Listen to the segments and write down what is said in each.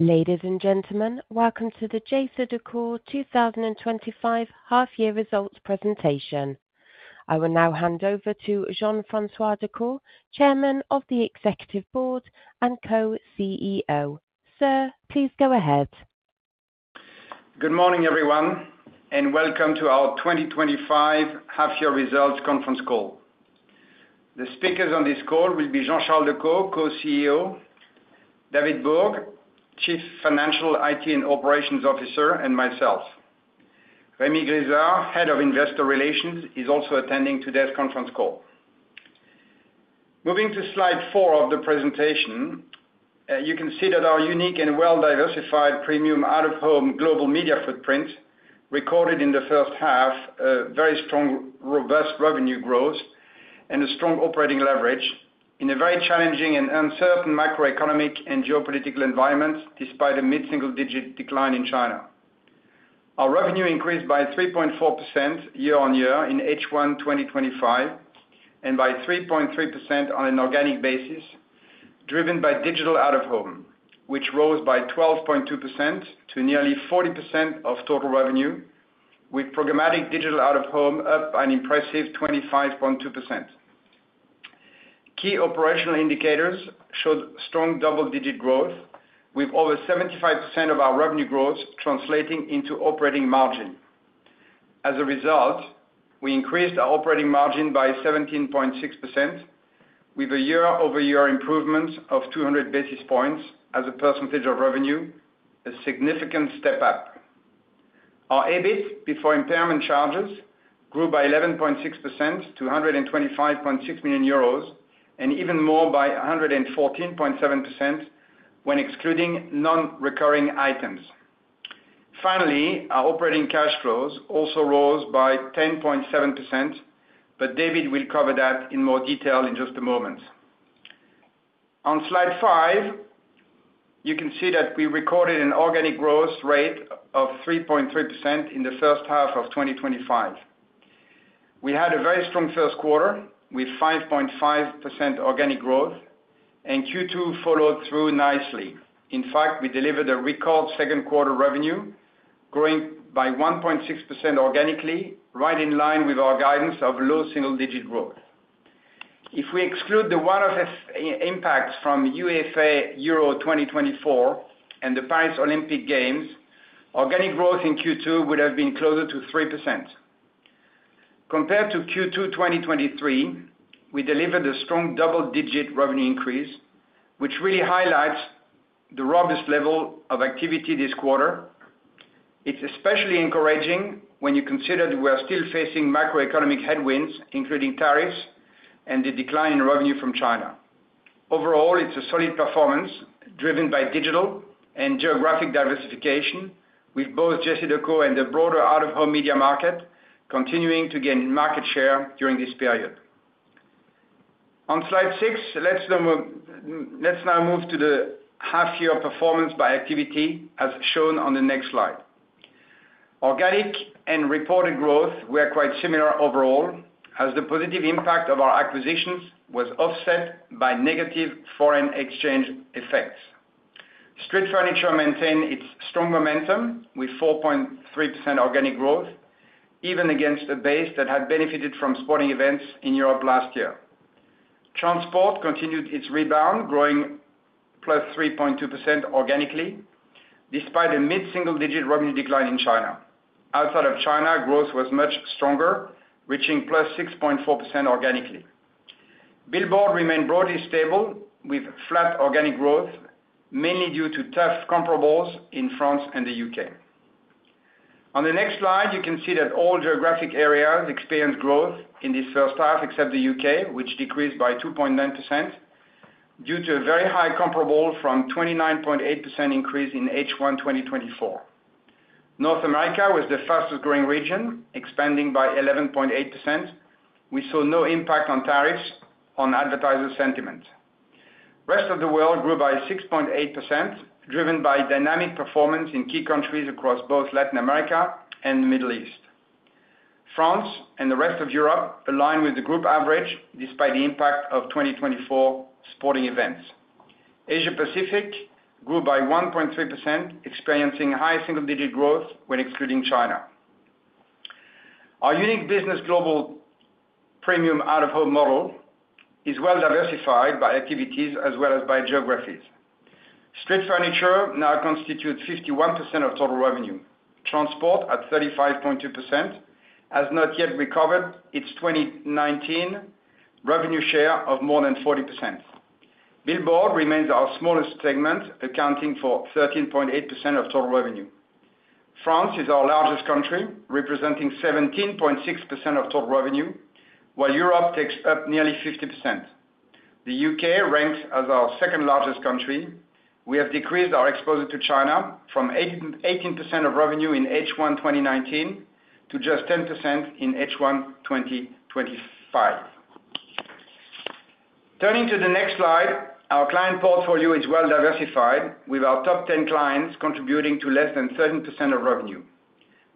Ladies and gentlemen, welcome to the Jacere D'Eccour twenty twenty five Half Year Results Presentation. I will now hand over to Jean Francois D'Eccourt, Chairman of the Executive Board and Co CEO. Sir, please go ahead. Good morning, everyone, and welcome to our twenty twenty five Half Year Results Conference Call. The speakers on this call will be Jean Charles Decaux, Co CEO David Borg, Chief Financial IT and Operations Officer and myself. Remy Greysard, Head of Investor Relations is also attending today's conference call. Moving to slide four of the presentation, you can see that our unique and well diversified premium out of home Global Media footprint recorded in the first half a very strong robust revenue growth and a strong operating leverage in a very challenging and uncertain macroeconomic and geopolitical environment despite a mid single digit decline in China. Our revenue increased by 3.4% year on year in H1 twenty twenty five and by 3.3% on an organic basis, driven by Digital Out of Home, which rose by 12.2% to nearly 40% of total revenue, with programmatic Digital Out of Home up by an impressive 25.2. Key operational indicators showed strong double digit growth with over 75% of our revenue growth translating into operating margin. As a result, we increased our operating margin by 17.6% with a year over year improvement of 200 basis points as a percentage of revenue, a significant step up. Our EBIT before impairment charges grew by 11.6% to €125,600,000 and even more by 114.7% when excluding non recurring items. Finally, our operating cash flows also rose by 10.7%, but David will cover that in more detail in just a moment. On Slide five, you can see that we recorded an organic growth rate of 3.3% in the 2025. We had a very strong first quarter with 5.5% organic growth and Q2 followed through nicely. In fact, we delivered a record second quarter revenue, growing by 1.6% organically, right in line with our guidance of low single digit growth. If we exclude the one off impacts from UEFA Euro twenty twenty four and the Paris Olympic Games, organic growth in Q2 would have been closer to 3%. Compared to Q2 twenty twenty three, we delivered a strong double digit revenue increase, which really highlights the robust level of activity this quarter. It's especially encouraging when you consider that we are still facing macroeconomic headwinds, including tariffs and the decline in revenue from China. Overall, it's a solid performance driven by digital and geographic diversification with both J. C. Deco and the broader out of home media market continuing to gain market share during this period. On Slide six, let's now move to the half year performance by activity as shown on the next slide. Organic and reported growth were quite similar overall as the positive impact of our acquisitions was offset by negative foreign exchange effects. Street Furniture maintained its strong momentum with 4.3% organic growth, even against a base that had benefited from sporting events in Europe last year. Transport continued its rebound, growing plus 3.2% organically, despite a mid single digit revenue decline in China. Outside of China, growth was much stronger, reaching plus 6.4% organically. Billboard remained broadly stable with flat organic growth, mainly due to tough comparables in France and The UK. On the next slide, you can see that all geographic areas experienced growth in this first half except The UK, which decreased by 2.9% due to a very high comparable from 29.8% increase in H1 twenty twenty four. North America was the fastest growing region, expanding by 11.8%. We saw no impact on tariffs on advertiser sentiment. Rest of the world grew by 6.8%, driven by dynamic performance in key countries across both Latin America and The Middle East. France and the rest of Europe aligned with the group average despite the impact of 2024 sporting events. Asia Pacific grew by 1.3%, experiencing high single digit growth when excluding China. Our unique business global premium out of home model is well diversified by activities as well as by geographies. Street Furniture now constitutes 51% of total revenue. Transport at 35.2% has not yet recovered its 2019 revenue share of more than 40%. Billboard remains our smallest segment, accounting for 13.8% of total revenue. France is our largest country, representing 17.6% of total revenue, while Europe takes up nearly 50%. The UK ranks as our second largest country. We have decreased our exposure to China from 18% of revenue in H1 twenty nineteen to just 10% in H1 twenty twenty five. Turning to the next slide. Our client portfolio is well diversified with our top 10 clients contributing to less than 13% of revenue.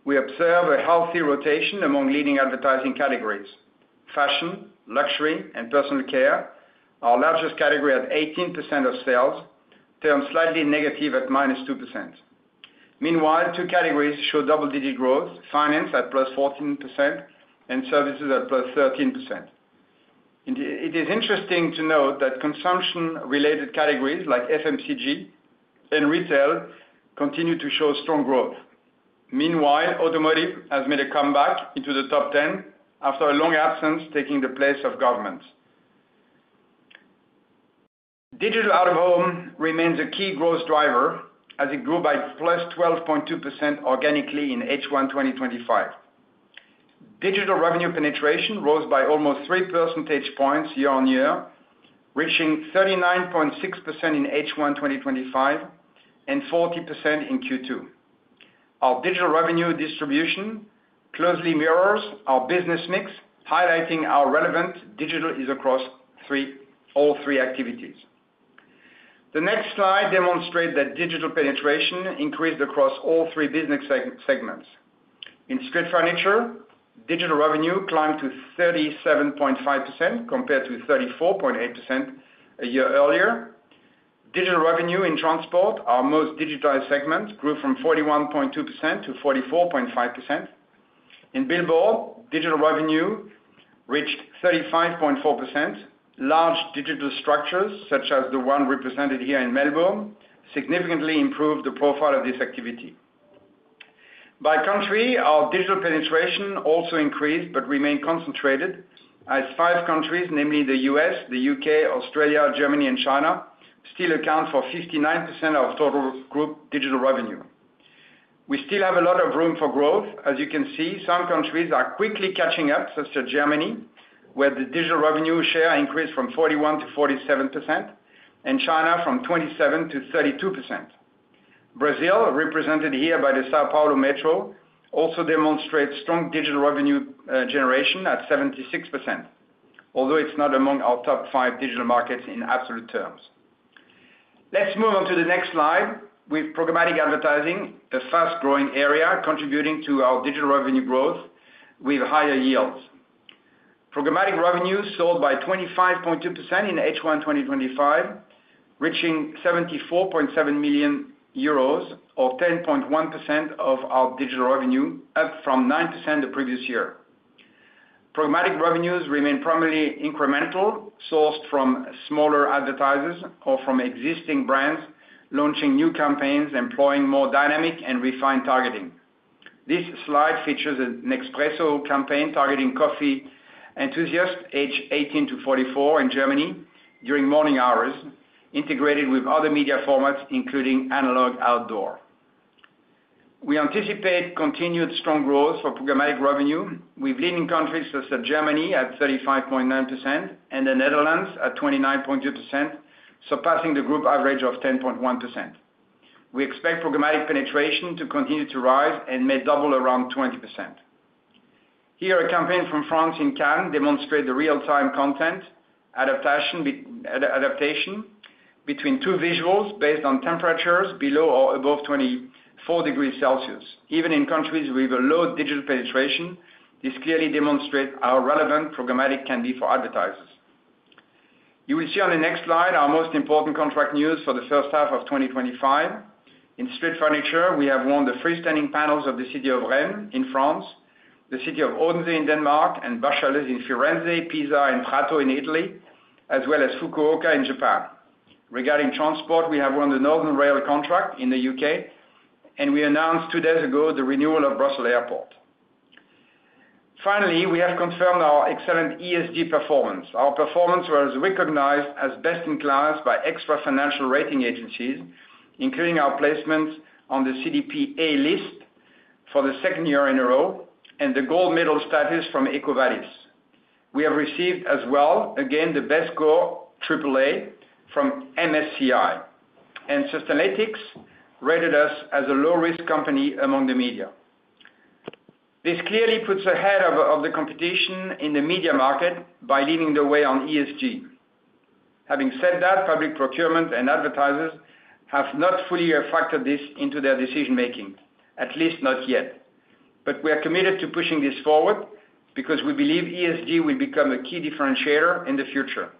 We observed a healthy rotation among leading advertising categories. Fashion, Luxury and Personal Care, our largest category at 18% of sales, turned slightly negative at minus 2%. Meanwhile, two categories showed double digit growth, Finance at plus 14% and Services at plus 13%. It is interesting to note that consumption related categories like FMCG and retail continued to show strong growth. Meanwhile, Automotive has made a comeback into the top 10 after a long absence taking the place of government. Digital Out of Home remains a key growth driver as it grew by plus 12.2% organically in H1 twenty twenty five. Digital revenue penetration rose by almost three percentage points year on year, reaching 39.6% in H1 twenty twenty five and forty percent in Q2. Our digital revenue distribution closely mirrors our business mix, highlighting our relevant digital is across three all three activities. The next slide demonstrates that digital penetration increased across all three business segments. In Street Furniture, digital revenue climbed to 37.5% compared to 34.8% a year earlier. Digital revenue in Transport, our most digitized segment grew from 41.2% to 44.5%. In Billboard, digital revenue reached 35.4%. Large digital structures such as the one represented here in Melbourne significantly improved the profile of this activity. By country, our digital penetration also increased but remained concentrated as five countries, namely The U. S, The UK, Australia, Germany and China still account for 59% of total group digital revenue. We still have a lot of room for growth. As you can see, some countries are quickly catching up such as Germany, where the digital revenue share increased from 41% to 47% and China from 27 to 32%. Brazil represented here by the Sao Paulo Metro also demonstrates strong digital revenue generation at 76%, although it's not among our top five digital markets in absolute terms. Let's move on to the next slide with programmatic advertising, the fast growing area contributing to our digital revenue growth with higher yields. Programmatic revenues sold by 25.2% in H1 twenty twenty five, reaching €74,700,000 or 10.1% of our digital revenue, up from 9% the previous year. Pragmatic revenues remain primarily incremental, sourced from smaller advertisers or from existing brands, launching new campaigns, employing more dynamic and refined targeting. This slide features an Nespresso campaign targeting coffee enthusiasts aged 18 to 44 in Germany during morning hours, integrated with other media formats including Analog Outdoor. We anticipate continued strong growth for programmatic revenue with leading countries such as Germany at 35.9% and The Netherlands at 29.2%, surpassing the group average of 10.1%. We expect programmatic penetration to continue to rise and may double around 20%. Here, a campaign from France in Cannes demonstrate the real time content adaptation between two visuals based on temperatures below or above 24 degrees Celsius. Even in countries with a low digital penetration, this clearly demonstrates how relevant programmatic can be for advertisers. You will see on the next slide our most important contract news for the 2025. In Street Furniture, we have won the freestanding panels of the City of Reims in France, the City of Rhodes in Denmark and Bachelors in Firenze, Pisa and Prato in Italy as well as Fukuoka in Japan. Regarding Transport, we have won the Northern Rail contract in The UK and we announced two days ago the renewal of Brussels Airport. Finally, we have confirmed our excellent ESG performance. Our performance was recognized as best in class by extra financial rating agencies, including our placements on the CDP A list for the second year in a row and the gold medal status from EcoVadis. We have received as well, again, the best score AAA from MSCI. And Sustainalytics rated us as a low risk company among the media. This clearly puts ahead of the competition in the media market by leading the way on ESG. Having said that, public procurement and advertisers have not fully factored this into their decision making, at least not yet. But we are committed to pushing this forward because we believe ESG will become a key differentiator in the future.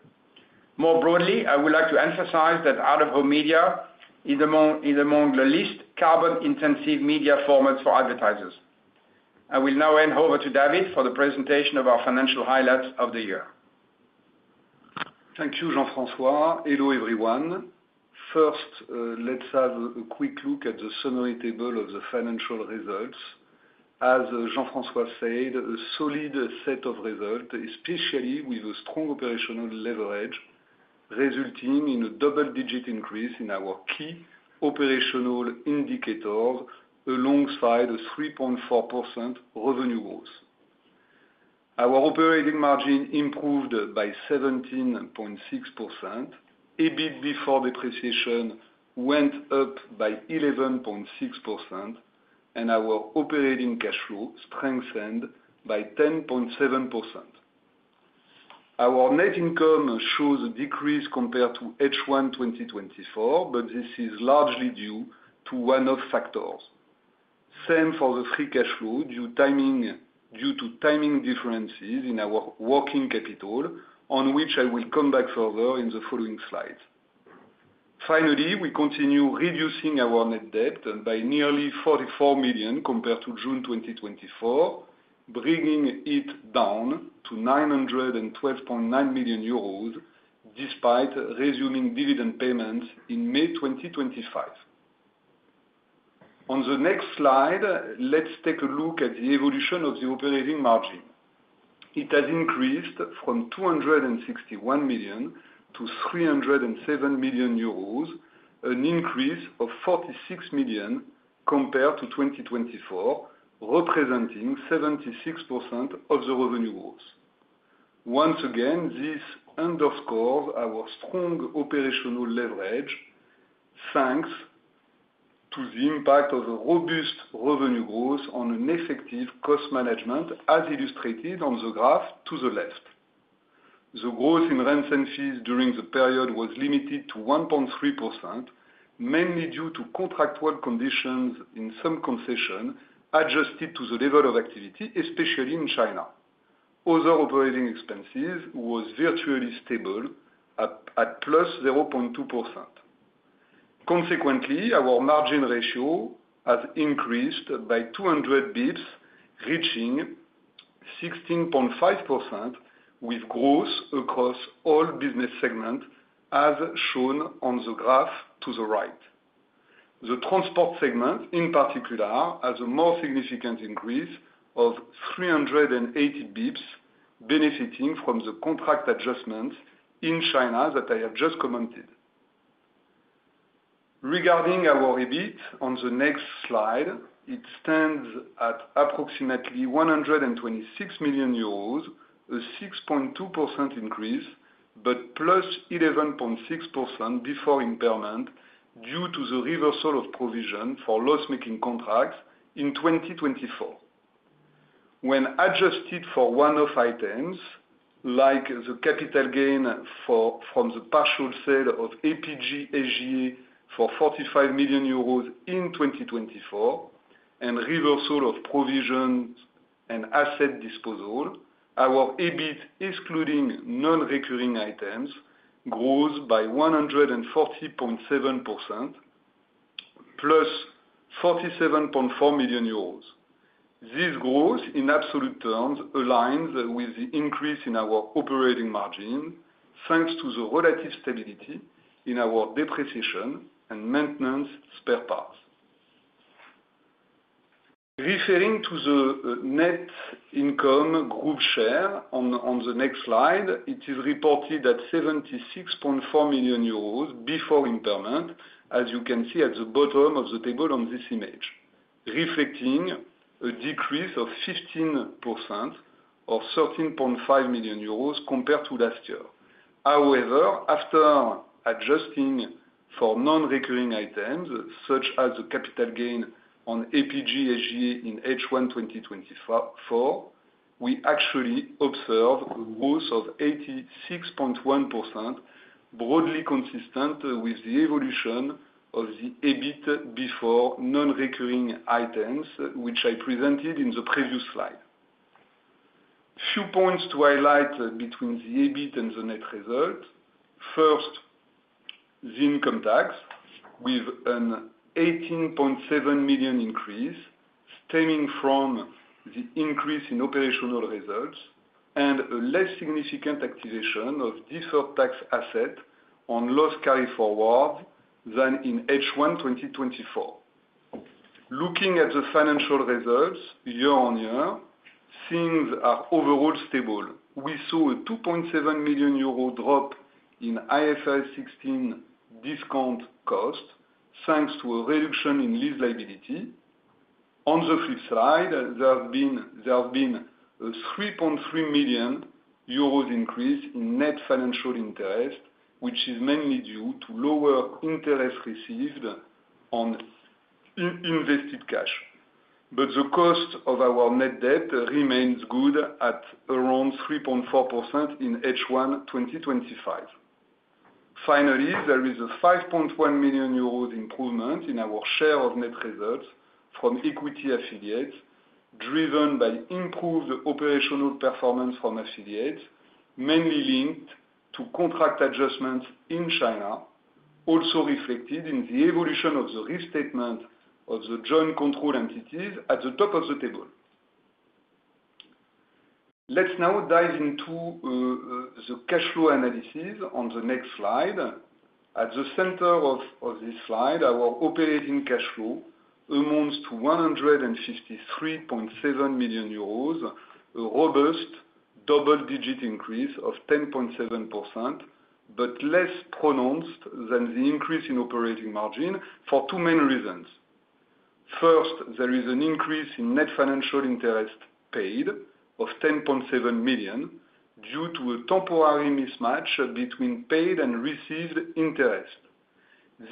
More broadly, I would like to emphasize that out of home media is among the least carbon intensive media formats for advertisers. I will now hand over to David for the presentation of our financial highlights of the year. Thank you, Jean Francois. Hello, everyone. First, let's have a quick look at the summary table of the financial results. As Jean Francois said, a solid set of results, especially with a strong operational leverage, resulting in a double digit increase in our key operational indicators alongside a 3.4% revenue growth. Our operating margin improved by 17.6%. EBIT before depreciation went up by 11.6%, and our operating cash flow strengthened by 10.7%. Our net income shows a decrease compared to H1 twenty twenty four, but this is largely due to one off factors. Same for the free cash flow due timing due to timing differences in our working capital, on which I will come back further in the following slides. Finally, we continue reducing our net debt by nearly €44,000,000 compared to June 2024, bringing it down to €912,900,000 despite resuming dividend payments in May 2025. On the next slide, let's take a look at the evolution of the operating margin. It has increased from €261,000,000 to $3.00 €7,000,000 an increase of €46,000,000 compared to 2024, representing 76 percent of the revenues. Once again, this underscores our strong operational leverage, thanks to the impact of a robust revenue growth on an effective cost management as illustrated on the graph to the left. The growth in rents and fees during the period was limited to 1.3%, mainly due to contractual conditions in some concession adjusted to the level of activity, especially in China. Other operating expenses was virtually stable at plus 0.2%. Consequently, our margin ratio has increased by 200 bps, reaching 16.5% with growth across all business segments as shown on the graph to the right. The Transport segment, in particular, has a more significant increase of three eighty bps, benefiting from the contract adjustments in China that I have just commented. Regarding our EBIT on the next slide, it stands at approximately 126,000,000 a 6.2% increase but plus 11.6% before impairment due to the reversal of provision for loss making contracts in 2024. When adjusted for one off items, like the capital gain from the partial sale of APG AG for €45,000,000 in 2024 and reversal of provisions and asset disposal, our EBIT excluding nonrecurring items grows by 140.7% plus €47,400,000 This growth, in absolute terms, aligns with the increase in our operating margin, thanks to the relative stability in our depreciation and maintenance spare parts. Referring to the net income group share on the next slide, it is reported at €76,400,000 before impairment, as you can see at the bottom of the table on this image, reflecting a decrease of 15 or €13,500,000 compared to last year. However, after adjusting for nonrecurring items, such as the capital gain on APG SGA in H1 twenty twenty four, we actually observed a growth of 86.1%, broadly consistent with the evolution of the EBIT before nonrecurring items, which I presented in the previous slide. A few points to highlight between the EBIT and the net result. First, the income tax with an €18,700,000 increase stemming from the increase in operational results and a less significant activation of deferred tax asset on loss carry forward than in H1 twenty twenty four. Looking at the financial results. Year on year, things are overall stable. We saw a €2,700,000 drop in IFRS 16 discount cost, thanks to a reduction in lease liability. On the flip side, there have been a €3,300,000 increase in net financial interest, which is mainly due to lower interest received on invested cash. But the cost of our net debt remains good at around 3.4% in H1 twenty twenty five. Finally, there is a €5,100,000 improvement in our share of net results from equity affiliates, driven by improved operational performance from affiliates, mainly linked to contract adjustments in China, also reflected in the evolution of the restatement of the joint control entities at the top of the table. Let's now dive into the cash flow analysis on the next slide. At the center of this slide, our operating cash flow amounts to €153,700,000 a robust double digit increase of 10.7%, but less pronounced than the increase in operating margin for two main reasons. First, there is an increase in net financial interest paid of €10,700,000 due to a temporary mismatch between paid and received interest.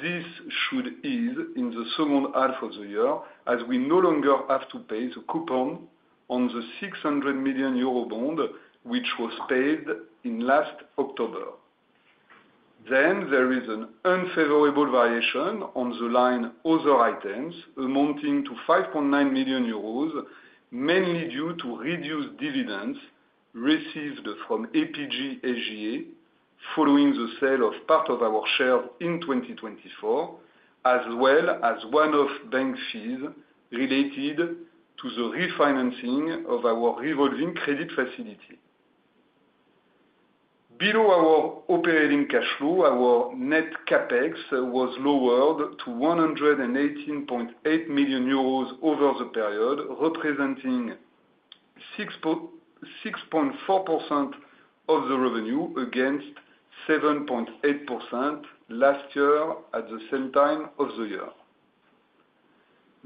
This should ease in the second half of the year as we no longer have to pay the coupon on the €600,000,000 bond, which was paid in last October. Then there is an unfavorable variation on the line other items amounting to €5,900,000 mainly due to reduced dividends received from APG AGA following the sale of part of our share in 2024 as well as one off bank fees related to the refinancing of our revolving credit facility. Below our operating cash flow, our net CapEx was lowered to €118,800,000 over the period, representing 6.4% of the revenue against 7.8% last year at the same time of the year.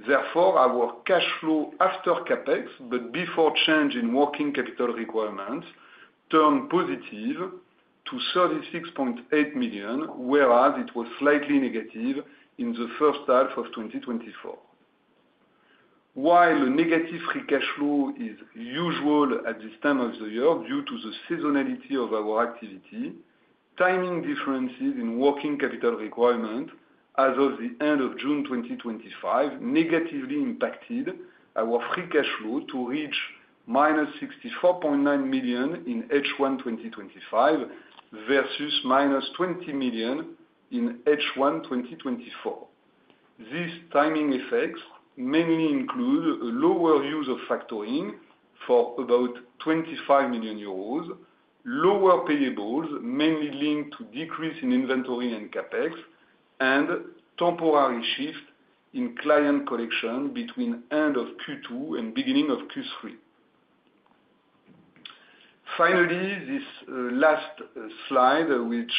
Therefore, our cash flow after CapEx but before change in working capital requirements turned positive to €36,800,000 whereas it was slightly negative in the 2024. While negative free cash flow is usual at this time of the year due to the seasonality of our activity, timing differences in working capital requirement as of the June 2025 negatively impacted our free cash flow to reach minus €64,900,000 in H1 twenty twenty five versus minus 20,000,000 in H1 twenty twenty four. These timing effects mainly include lower use of factoring for about 25,000,000 euros, lower payables mainly linked to decrease in inventory and CapEx and temporary shift in client collection between end of Q2 and beginning of Q3. Finally, this last slide, which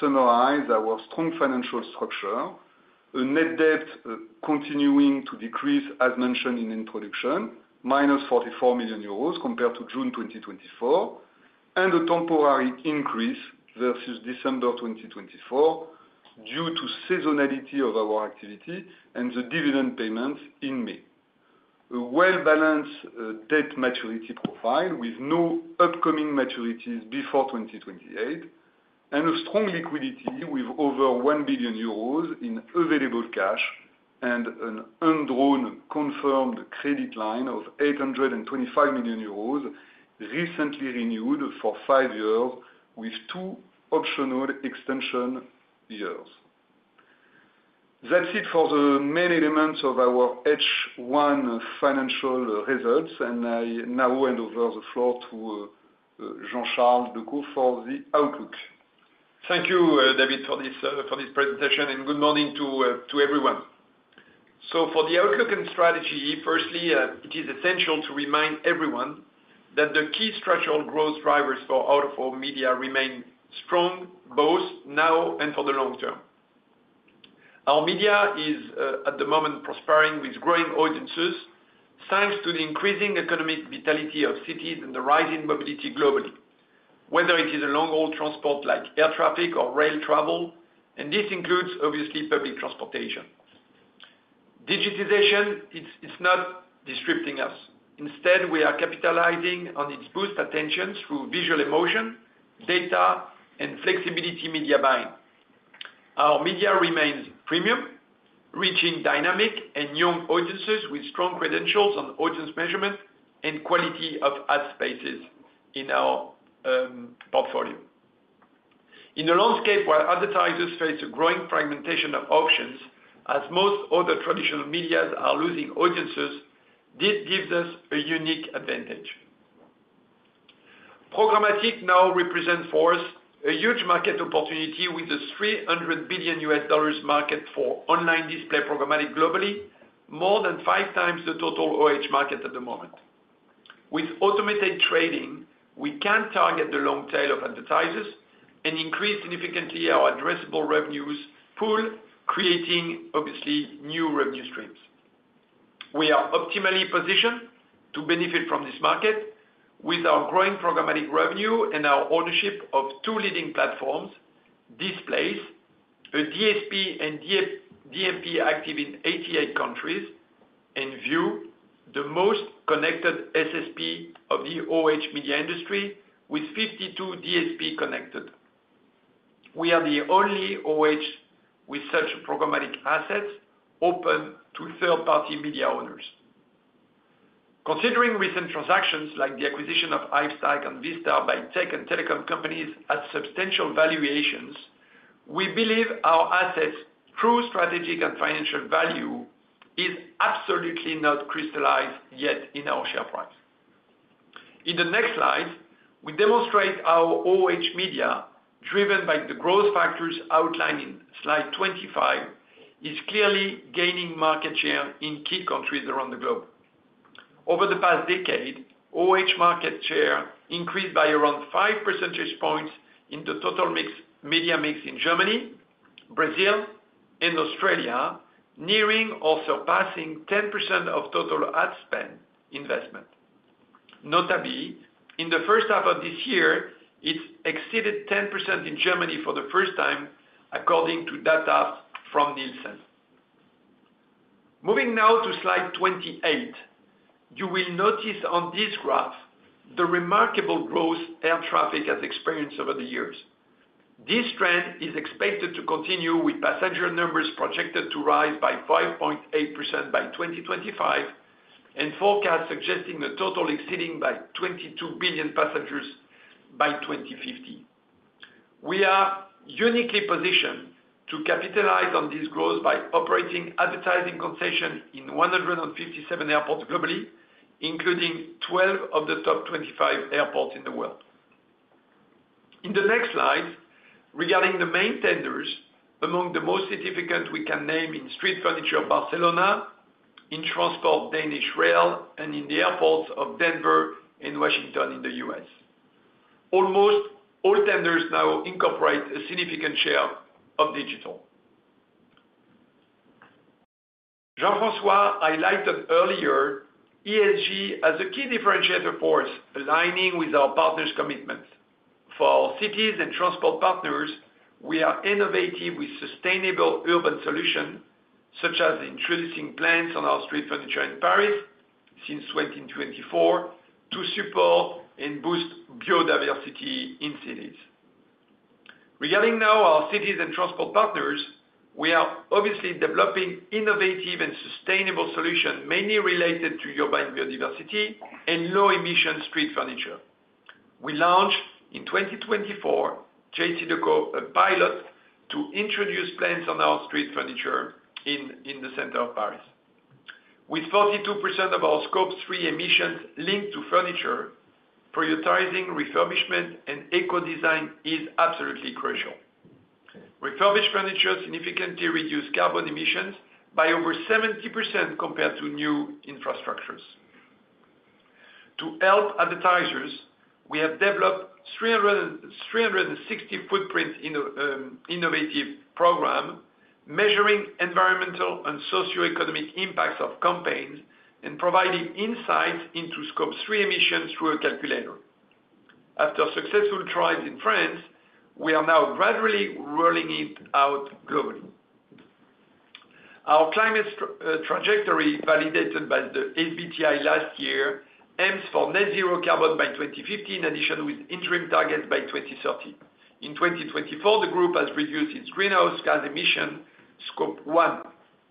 summarize our strong financial structure, the net debt continuing to decrease, as mentioned in the introduction, minus €44,000,000 compared to June 2024 and a temporary increase versus December 2024 due to seasonality of our activity and the dividend payments in May, a well balanced debt maturity profile with no upcoming maturities before 2028 and a strong liquidity with over €1,000,000,000 in available cash and an undrawn confirmed credit line of €825,000,000 recently renewed for five years with two optional extension years. That's it for the main elements of our H1 financial results. And I now hand over the floor to Jean Charles Decoux for the outlook. Thank you, David, for this presentation, and good morning to everyone. So for the outlook and strategy, firstly, it is essential to remind everyone that the key structural growth drivers for Autoform Media remain strong both now and for the long term. Our media is at the moment prospering with growing audiences, thanks to the increasing economic vitality of cities and the rising mobility globally. Whether it is a long haul transport like air traffic or rail travel, and this includes, obviously, public transportation. Digitization is not disrupting us. Instead, we are capitalizing on its boost attention through visual emotion, data and flexibility media buying. Our media remains premium, reaching dynamic and young audiences with strong credentials on audience measurement and quality of ad spaces in our portfolio. In the landscape where advertisers face a growing fragmentation of options, as most other traditional medias are losing audiences, this gives us a unique advantage. Programmatic now represents for us a huge market opportunity with a US300 billion dollars market for online display programmatic globally, more than five times the total Oh market at the moment. With automated trading, we can target the long tail of advertisers and increase significantly our addressable revenues pool, creating obviously new revenue streams. We are optimally positioned to benefit from this market with our growing programmatic revenue and our ownership of two leading platforms, Displace, a DSP and DMP active in 88 countries and view the most connected SSP of the Oh media industry with 52 DSP connected. We are the only Oh with such programmatic assets open to third party media owners. Considering recent transactions like the acquisition of iStack and Vista by tech and telecom companies at substantial valuations, we believe our assets' true strategic and financial value is absolutely not crystallized yet in our share price. In the next slide, we demonstrate our Oh media driven by the growth factors outlined in slide 25 is clearly gaining market share in key countries around the globe. Over the past decade, Oh market share increased by around five percentage points in the total media mix in Germany, Brazil and Australia, nearing or surpassing 10% of total ad spend investment. Notably, in the first half of this year, it exceeded 10% in Germany for the first time according to data from Nielsen. Moving now to Slide 28. You will notice on this graph the remarkable growth air traffic has experienced over the years. This trend is expected to continue with passenger numbers projected to rise by 5.8% by 2025 and forecast suggesting the total exceeding by 22,000,000,000 passengers by 02/1950. We are uniquely positioned to capitalize on this growth by operating advertising concession in 157 airports globally, including 12 of the top 25 airports in the world. In the next slide, regarding the main tenders, among the most significant we can name in Street Furniture Barcelona, in Transport Danish Rail and in the airports of Denver and Washington in The U. S. Almost all tenders now incorporate a significant share of digital. Jean Francois highlighted earlier, ESG has a key differentiator for us aligning with our partners' commitment. For our cities and transport partners, we are innovative with sustainable urban solutions, such as introducing plants on our street furniture in Paris since 2024 to support and boost biodiversity in cities. Regarding now our cities and transport partners, we are obviously developing innovative and sustainable solutions mainly related to urban biodiversity and low emission street furniture. We launched in 2024 JCDecaux a pilot to introduce plants on our street furniture in the center of Paris. With 42% of our Scope three emissions linked to furniture, prioritizing refurbishment and eco design is absolutely crucial. Refurbished furniture significantly reduced carbon emissions by over 70% compared to new infrastructures. To help advertisers, we have developed three sixty footprint innovative program, measuring environmental and socioeconomic impacts of campaigns and providing insights into Scope three emissions through a calculator. After successful trials in France, we are now gradually rolling it out globally. Our climate trajectory validated by the ABTI last year aims for net zero carbon by 2015 in addition with interim targets by 02/1930. In 2024, the group has reduced its greenhouse gas emissions scope one,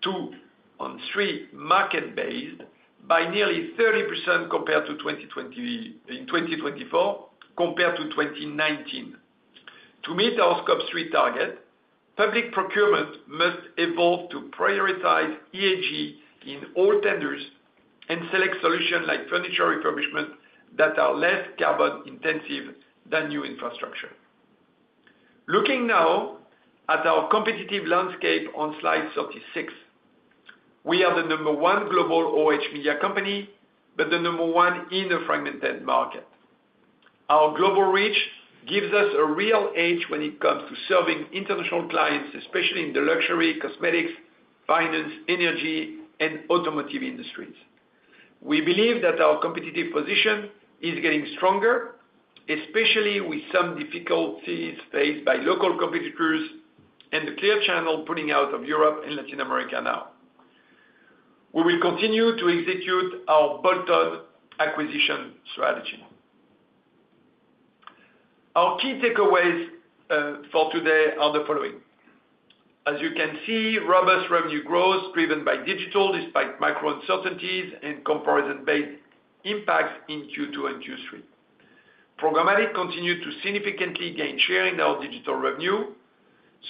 two and three market based by nearly 30% compared to 2024 compared to 2019. To meet our Scope three target, public procurement must evolve to prioritize ESG in all tenders and select solutions like furniture refurbishment that are less carbon intensive than new infrastructure. Looking now at our competitive landscape on Slide 36. We are the number one global Oh media company, but the number one in the fragmented market. Our global reach gives us a real edge when it comes to serving international clients, especially in the luxury, cosmetics, finance, energy and automotive industries. We believe that our competitive position is getting stronger, especially with some difficulties faced by local competitors and the clear channel pulling out of Europe and Latin America now. We will continue to execute our bolt on acquisition strategy. Our key takeaways for today are the following. As you can see, robust revenue growth driven by digital despite macro uncertainties and comparison based impacts in Q2 and Q3. Programmatic continued to significantly gain share in our digital revenue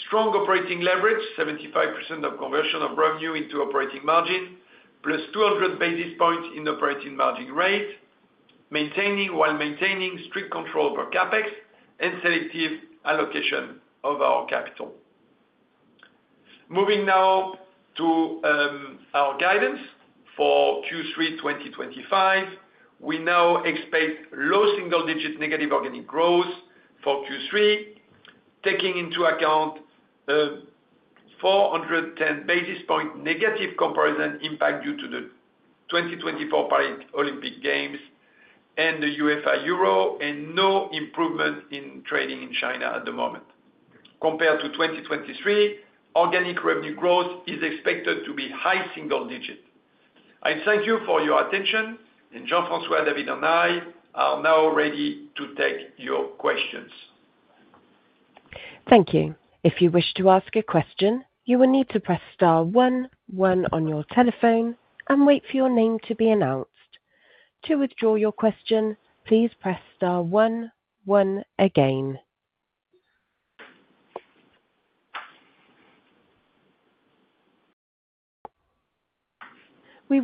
strong operating leverage, 75% of conversion of revenue into operating margin, plus 200 basis points in operating margin rate maintaining while maintaining strict control over CapEx and selective allocation of our capital. Moving now to our guidance for Q3 twenty twenty five. We now expect low single digit negative organic growth for Q3, taking into account a four ten basis point negative comparison impact due to the twenty twenty four Paralympic Games and the UEFA Euro and no improvement in trading in China at the moment. Compared to 2023, organic revenue growth is expected to be high single digit. I thank you for your attention. And Jean Francois, David and I are now ready to take your questions. Thank We will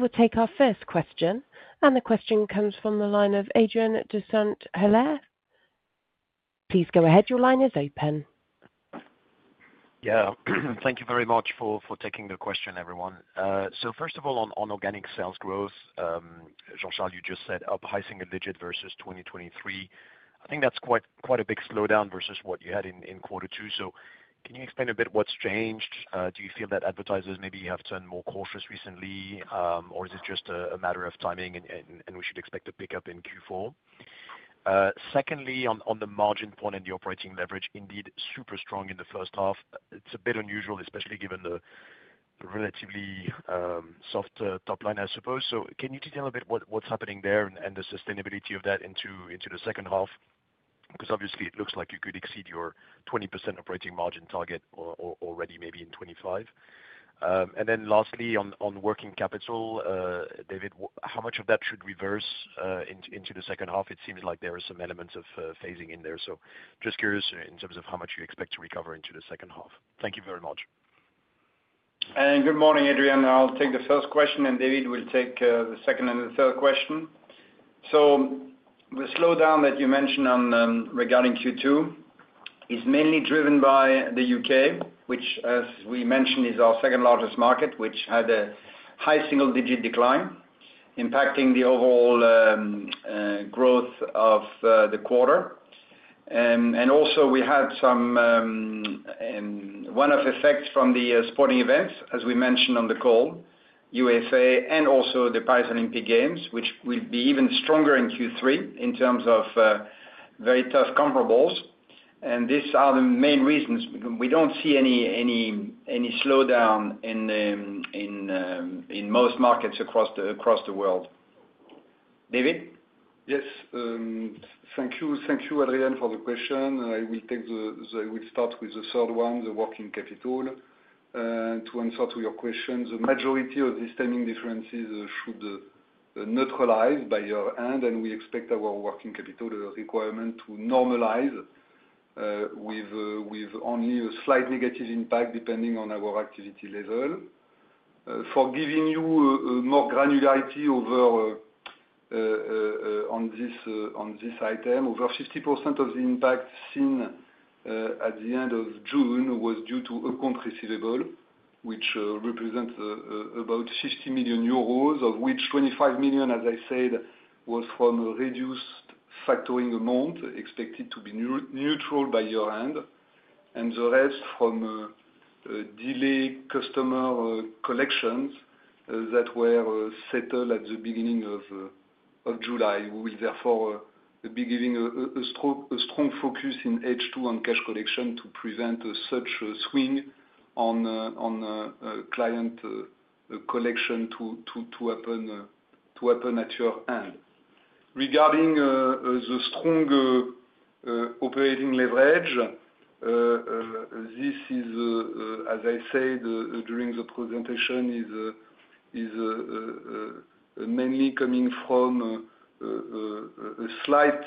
take our first question. And the question comes from the line of Adrian Dussault Hillaire. Please go ahead. Your line is open. Yes. Thank you very much for taking the question, everyone. So first of all, on organic sales growth, Jean Charles, you just said up high single digit versus 2023. I think that's quite a big slowdown versus what you had in quarter two. So can you explain a bit what's changed? Do you feel that advertisers maybe have turned more cautious recently? Or is it just a matter of timing and we should expect a pickup in Q4? Secondly, on the margin point and the operating leverage, indeed, super strong in the first half. It's a bit unusual, especially given the relatively softer top line, I suppose. So can you detail a bit what's happening there and the sustainability of that into the second half? Because obviously, it looks like you could exceed your 20% operating margin target already maybe in 25%. And then lastly, on working capital, David, how much of that should reverse into the second half? It seems like there are some elements of phasing in there. So just curious in terms of how much you expect to recover into the second half. Thank you very much. Morning, Adrian. I'll take the first question, and David will take the second and the third question. So the slowdown that you mentioned on regarding Q2 is mainly driven by The UK, which as we mentioned is our second largest market, which had a high single digit decline impacting the overall growth of the quarter. And also we had some one off effects from the sporting events as we mentioned on the call, USA and also the Paris Olympic Games, which will be even stronger in Q3 in terms of very tough comparables. And these are the main reasons. We don't see any slowdown in most markets across the world. David? Yes. Thank you. Thank you, Adrian, for the question. I will take the I will start with the third one, the working capital. To answer to your questions, the majority of the stemming differences should neutralize by year end, and we expect our working capital requirement to normalize with only a slight negative impact depending on our activity level. For giving you more granularity over on this item, over 50% of the impact seen at the June was due to a concrete level, which represents about 50,000,000 euros, of which 25,000,000, as I said, was from a reduced factoring amount expected to be neutral by year end and the rest from delayed customer collections that were settled at the July. We will therefore be giving a strong focus in H2 on cash collection to prevent such a swing on client collection to happen at your end. Regarding the strong operating leverage, This is, as I said during the presentation, is mainly coming from a slight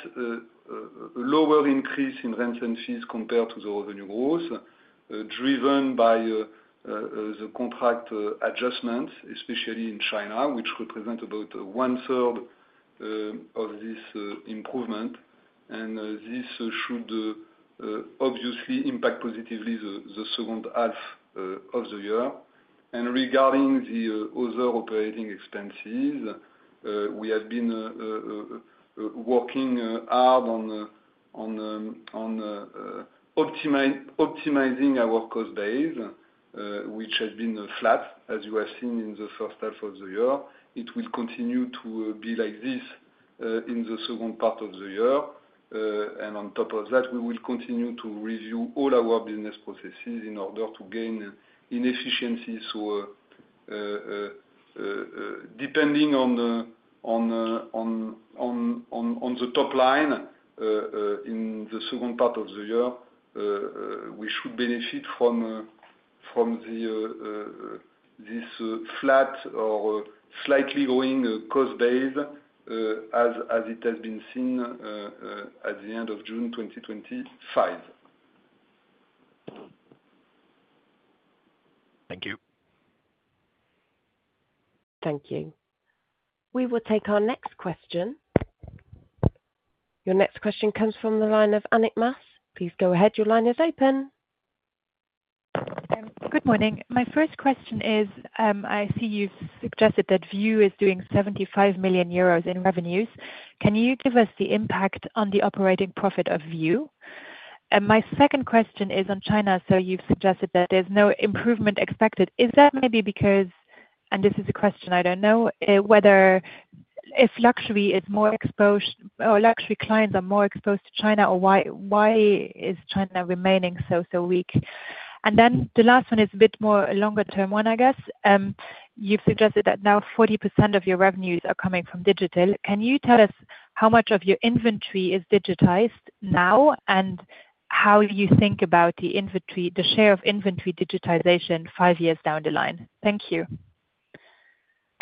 lower increase in rents and fees compared to the revenue growth, driven by the contract adjustments, especially in China, which represent about onethree of this improvement. And this should obviously impact positively the second half of the year. And regarding the other operating expenses, we have been working hard on optimizing our cost base, which has been flat, as you have seen in the first half of the year. It will continue to be like this in the second part of the year. And on top of that, we will continue to review all our business processes in order to gain inefficiencies. So depending on the top line in the second part of the year, we should benefit from the this flat or slightly growing cost base as it has been seen at the June 2025. Thank you. Thank you. We will take our next question. Your next question comes from the line of Annick Maas. Please go ahead. Your line is open. Good morning. My first question is, I see you've suggested that View is doing 75,000,000 euros in revenues. Can you give us the impact on the operating profit of View? And my second question is on China. So you've suggested that there's no improvement expected. Is that maybe because, and this is a question I don't know, whether if luxury is more exposed or luxury clients are more exposed to China or why is China remaining so, so weak? And then the last one is a bit more a longer term one, I guess. You've suggested that now 40% of your revenues are coming from digital. Can you tell us how much of your inventory is digitized now? And how you think about the inventory the share of inventory digitization five years down the line? Thank you.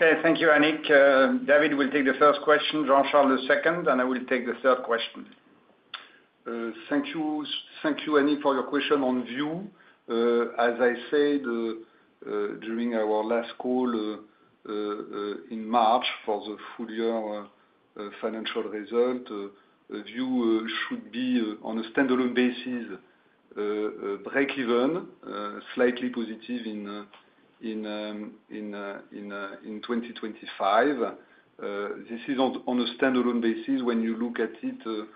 Okay. Thank you, Annick. David will take the first question, Jean Charles the second, and I will take the third question. Thank you, Annick, for your question on Vue. I said during our last call in March for the full year financial result, VUE should be, on a stand alone basis, breakeven, slightly positive in 2025. This is on a stand alone basis. When you look at it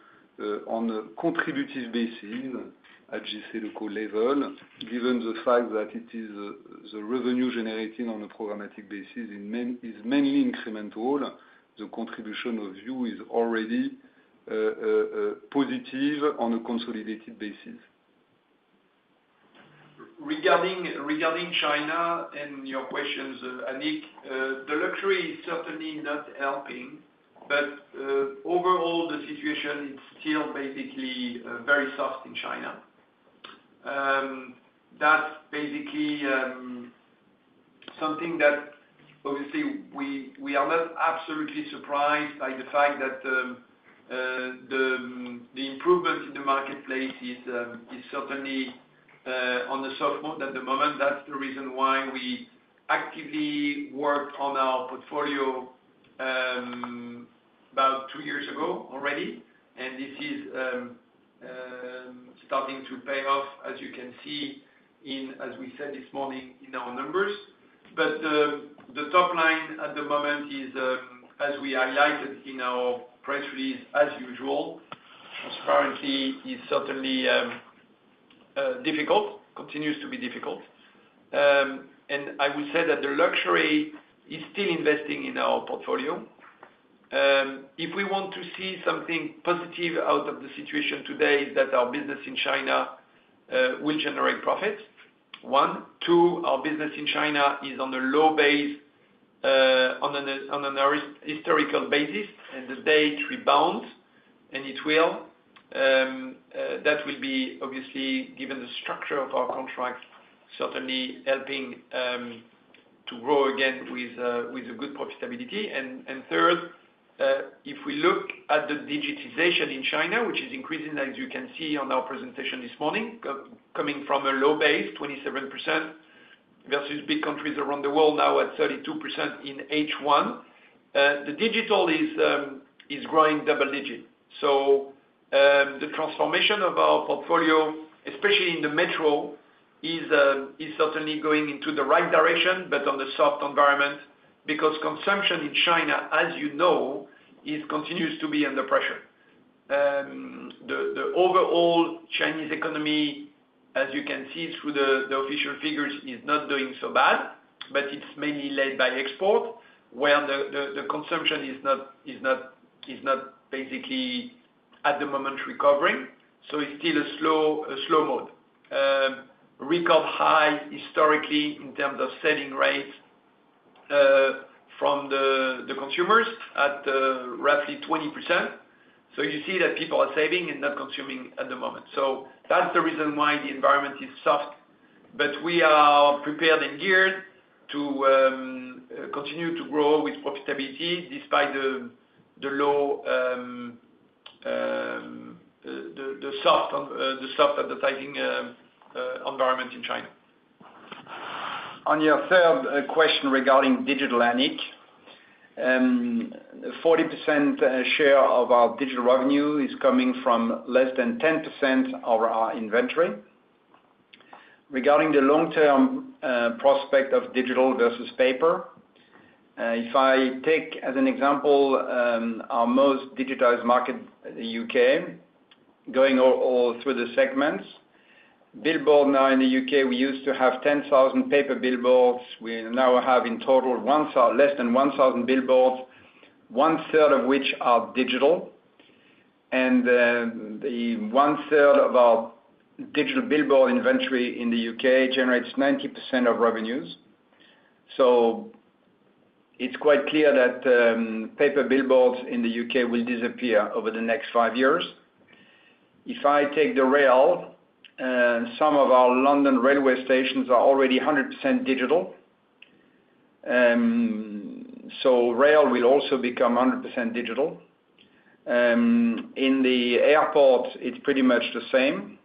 on a contributive basis at GCE LUKO level, given the fact that it is the revenue generating on a programmatic basis is mainly incremental, the contribution of VUE is already positive on a consolidated basis. Regarding regarding China and your questions, Anik, the luxury is certainly not helping. But overall, the situation is still basically very soft in China. That's basically something that, obviously, we we are not absolutely surprised by the fact that the the improvement in the marketplace is is certainly on the soft mode at the moment. That's the reason why we actively worked on our portfolio about two years ago already, and this is starting to pay off, as you can see in as we said this morning in our numbers. But the top line at the moment is, as we highlighted in our press release, as usual, transparency is certainly difficult, continues to be difficult. And I would say that the luxury is still investing in our portfolio. If we want to see something positive out of the situation today that our business in China will generate profits, one. Two, our business in China is on a low base on a historical basis and the day it rebounds, and it will. That will be, obviously, given the structure of our contract, certainly helping to grow again with a good profitability. And third, if we look at the digitization in China, which is increasing, as you can see on our presentation this morning, coming from a low base, 27% versus big countries around the world now at 32% in H1, the digital is growing double digit. So the transformation of our portfolio, especially in the metro, is certainly going into the right direction, but on the soft environment because consumption in China, as you know, is continues to be under pressure. The overall Chinese economy, as you can see through the official figures, is not doing so bad, but it's mainly led by export, where the consumption is not basically at the moment recovering. So it's still a slow mode. Record high historically in terms of selling rates from the consumers at roughly 20%. So you see that people are saving and not consuming at the moment. So that's the reason why the environment is soft. But we are prepared and geared to continue to grow with profitability despite the low the soft advertising environment in China. On your third question regarding digital and ink, 40% share of our digital revenue is coming from less than 10% of our inventory. Regarding the long term prospect of digital versus paper, if I take as an example our most digitized market, The UK, going all through the segments. Billboard now in The UK, we used to have 10,000 paper billboards. We now have in total less than 1,000 billboards, one third of which are digital. And one third of our digital billboard inventory in The UK generates 90% of revenues. So it's quite clear that paper billboards in The UK will disappear over the next five years. If I take the rail, some of our London railway stations are already 100% digital. So rail will also become 100% digital. In the airport, it's pretty much the same.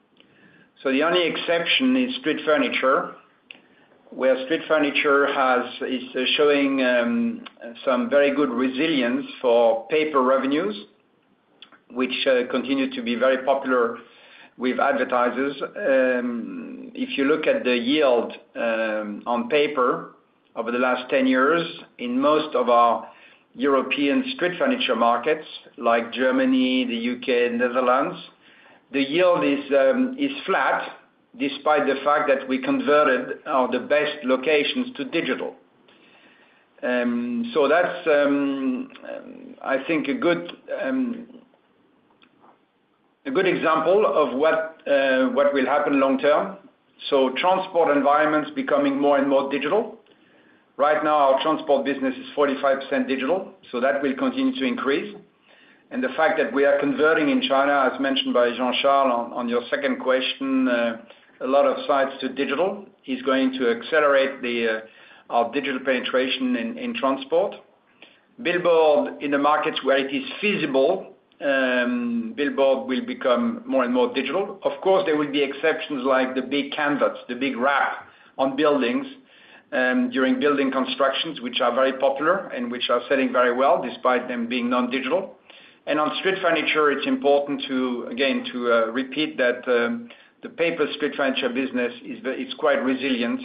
So the only exception is Street Furniture, where Street Furniture has is showing some very good resilience for paper revenues, which continue to be very popular with advertisers. If you look at the yield on paper over the last ten years in most of our European Street Furniture markets like Germany, The UK and Netherlands, the yield is flat despite the fact that we converted the best locations to digital. So that's, I think, a good example of what will happen long term. So transport environment is becoming more and more digital. Right now, our transport business is 45% digital. So that will continue to increase. And the fact that we are converting in China as mentioned by Jean Charles on your second question, a lot of sites to digital is going to accelerate the digital penetration in transport. Billboard in the markets where it is feasible, billboard will become more and more digital. Of course, there will be exceptions like the big canvas, the big wrap on buildings during building constructions, which are very popular and which are selling very well despite them being non digital. And on Street Furniture, it's important to again to repeat that the Paper Street Furniture business is quite resilient,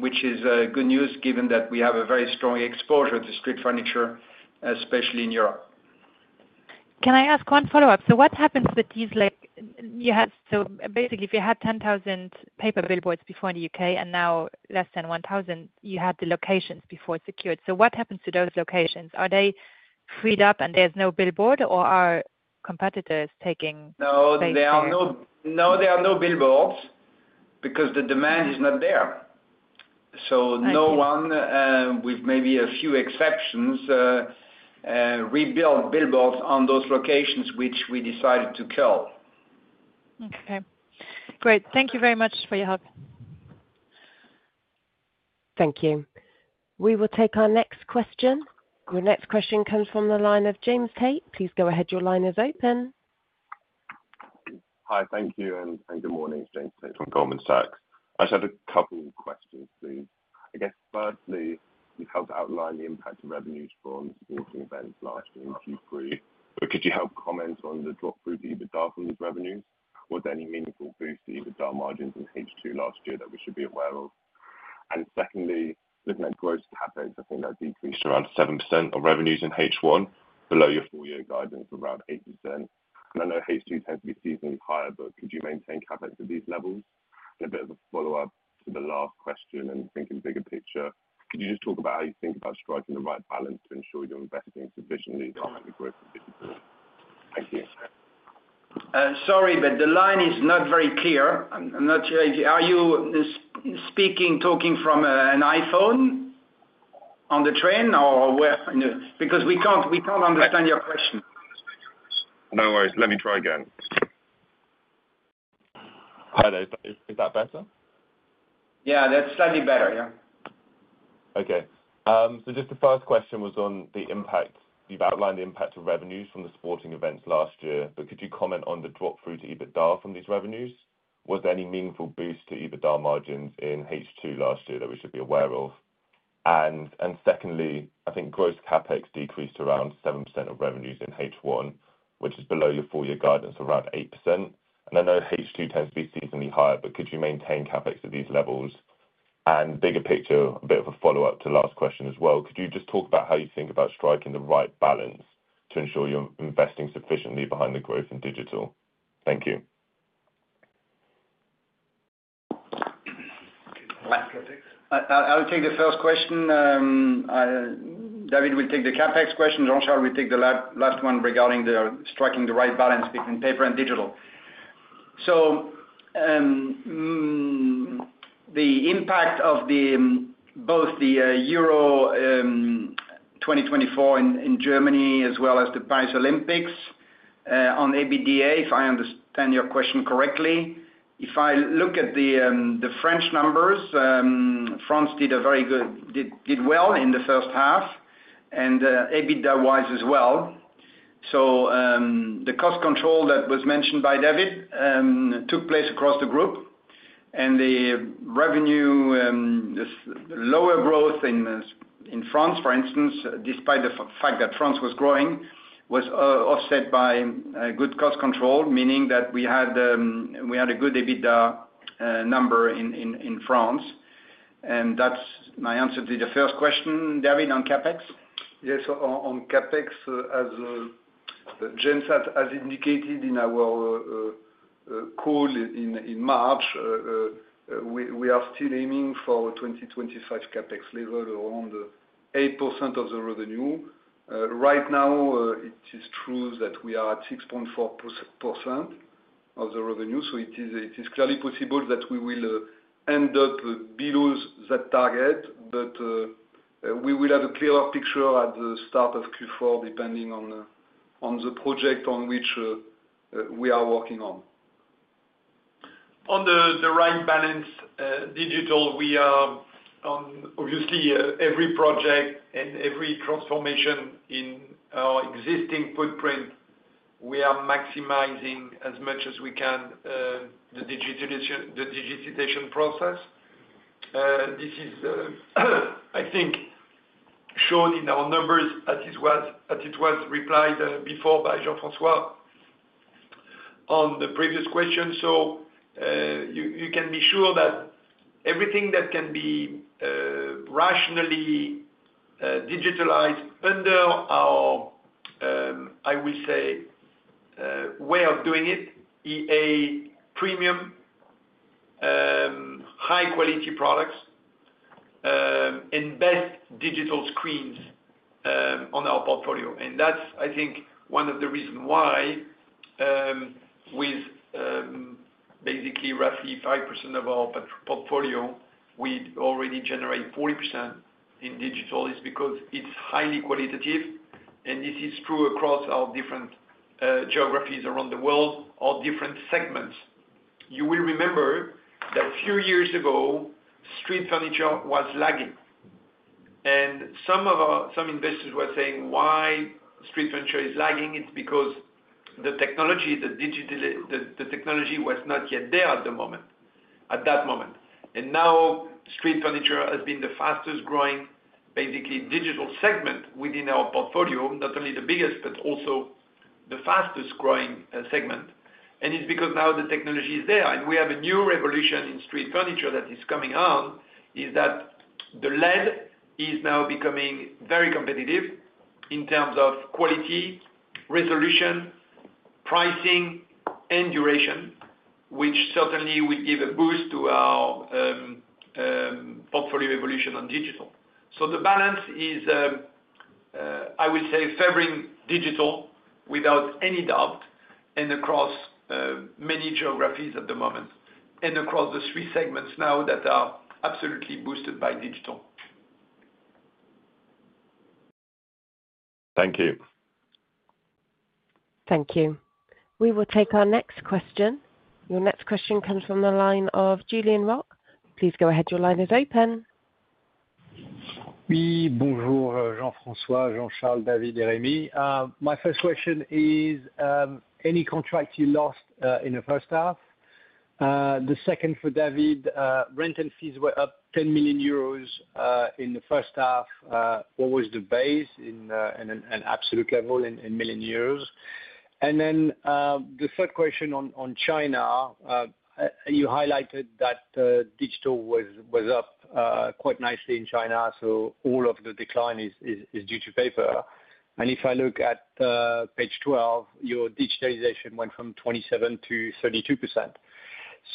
which is good news given that we have a very strong exposure to Street Furniture, especially in Europe. Can I ask one follow-up? So what happens with these like you had so basically, if you had 10,000 paper billboards before in The UK and now less than 1,000, you had the locations before secured. So what happens to those locations? Are they freed up and there's no billboard, or are competitors taking No. There are no no. There are no billboards because the demand is not there. So no one, with maybe a few exceptions, rebuilt billboards on those locations, which we decided to kill. Okay. Great. Thank you very much for your help. Thank you. We will take our next question. Your next question comes from the line of James Tate. Please go ahead. Your line is open. Hi. Thank you, and and good morning. It's James Tate from Goldman Sachs. I just had a couple of please. I guess, firstly, you've helped outline the impact of revenues from sporting events last year in Q3. Could you help comment on the drop through to EBITDA from these revenues? Was there any meaningful boost to EBITDA margins in H2 last year that we should be aware of? And secondly, looking at gross CapEx, I think that decreased around 7% of revenues in H1, below your full year guidance of around 8%. And I know H2 tends to be seasonally higher, but could you maintain CapEx at these levels? And a bit of a follow-up to the last question and thinking bigger picture, could you just talk about how you think about striking the right balance to ensure you're investing sufficiently to target the growth of businesses? Sorry, but the line is not very clear. I'm I'm not sure if are you speaking talking from an iPhone on the train or where? Because we can't we can't understand your question. Worries. Let me try again. Hi there. Is that better? Yeah. That's slightly better. Yeah. Okay. So just the first question was on the impact. You've outlined the impact of revenues from the sporting events last year, but could you comment on the drop through to EBITDA from these revenues? Was there any meaningful boost to EBITDA margins in H2 last year that we should be aware of? And secondly, I think gross CapEx decreased around 7% of revenues in H1, which is below your full year guidance around 8%. And I know H2 tends to be seasonally higher, but could you maintain CapEx at these levels? And bigger picture, a bit of a follow-up to last question as well. Could you just talk about how you think about striking the right balance to ensure you're investing sufficiently behind the growth in digital? Thank you. I'll take the first question. David will take the CapEx question. Jean Charles will take the last one regarding the striking the right balance between paper and digital. So the impact of the both the Euro twenty twenty four in Germany as well as the Paris Olympics on EBITDA, if I understand your question correctly. If I look at the French numbers, France did a very good did well in the first half and EBITDA wise as well. So the cost control that was mentioned by David took place across the group. And the revenue, the lower growth in France for instance, despite the fact that France was growing was offset by good cost control, meaning that we had a good EBITDA number in France. And that's my answer to the first question. David, on CapEx? Yes. So on CapEx, as James had indicated in our call in March, we are still aiming for 2025 CapEx level around 8% of the revenue. Right now, it is true that we are at 6.4% of the revenue. So it is clearly possible that we will end up below that target, but we will have a clearer picture at the start of Q4 depending on the project on which we are working on. On the right balance, digital, we are obviously, every project and every transformation in our existing footprint, we are maximizing as much as we can the digitization process. This is, I think, shown in our numbers as it was replied before by Jean Francois on the previous question. So you can be sure that everything that can be rationally digitalized under our, I will say, way of doing it, e. A. Premium, high quality products and best digital screens on our portfolio. And that's, I think, one of the reason why with basically roughly 5% of our portfolio, we already generate 40% in digital is because it's highly qualitative, and this is true across our different geographies around the world or different segments. You will remember that few years ago, Street Furniture was lagging. And some of our some investors were saying why Street Furniture is lagging. It's because the technology the digital the technology was not yet there at the moment at that moment. And now Street Furniture has been the fastest growing, basically, digital segment within our portfolio, not only the biggest, but also the fastest growing segment. And it's because now the technology is there. And we have a new revolution in street furniture that is coming on, is that the lead is now becoming very competitive in terms of quality, resolution, pricing and duration, which certainly will give a boost to our portfolio evolution on digital. So the balance is, I would say, favoring digital without any doubt and across many geographies at the moment and across the three segments now that are absolutely boosted by digital. Thank you. Thank you. We will take our next question. Your next question comes from the line of Julien Roch. Please go ahead. Your line is open. My first question is any contracts you lost in the first half? The second for David, rent and fees were up €10,000,000 in the first half. What was the base in absolute level in million years? And then the third question on China, you highlighted that digital was up quite nicely in China, so all of the decline is is is due to paper. And if I look at page 12, your digitization went from 27 to 32%.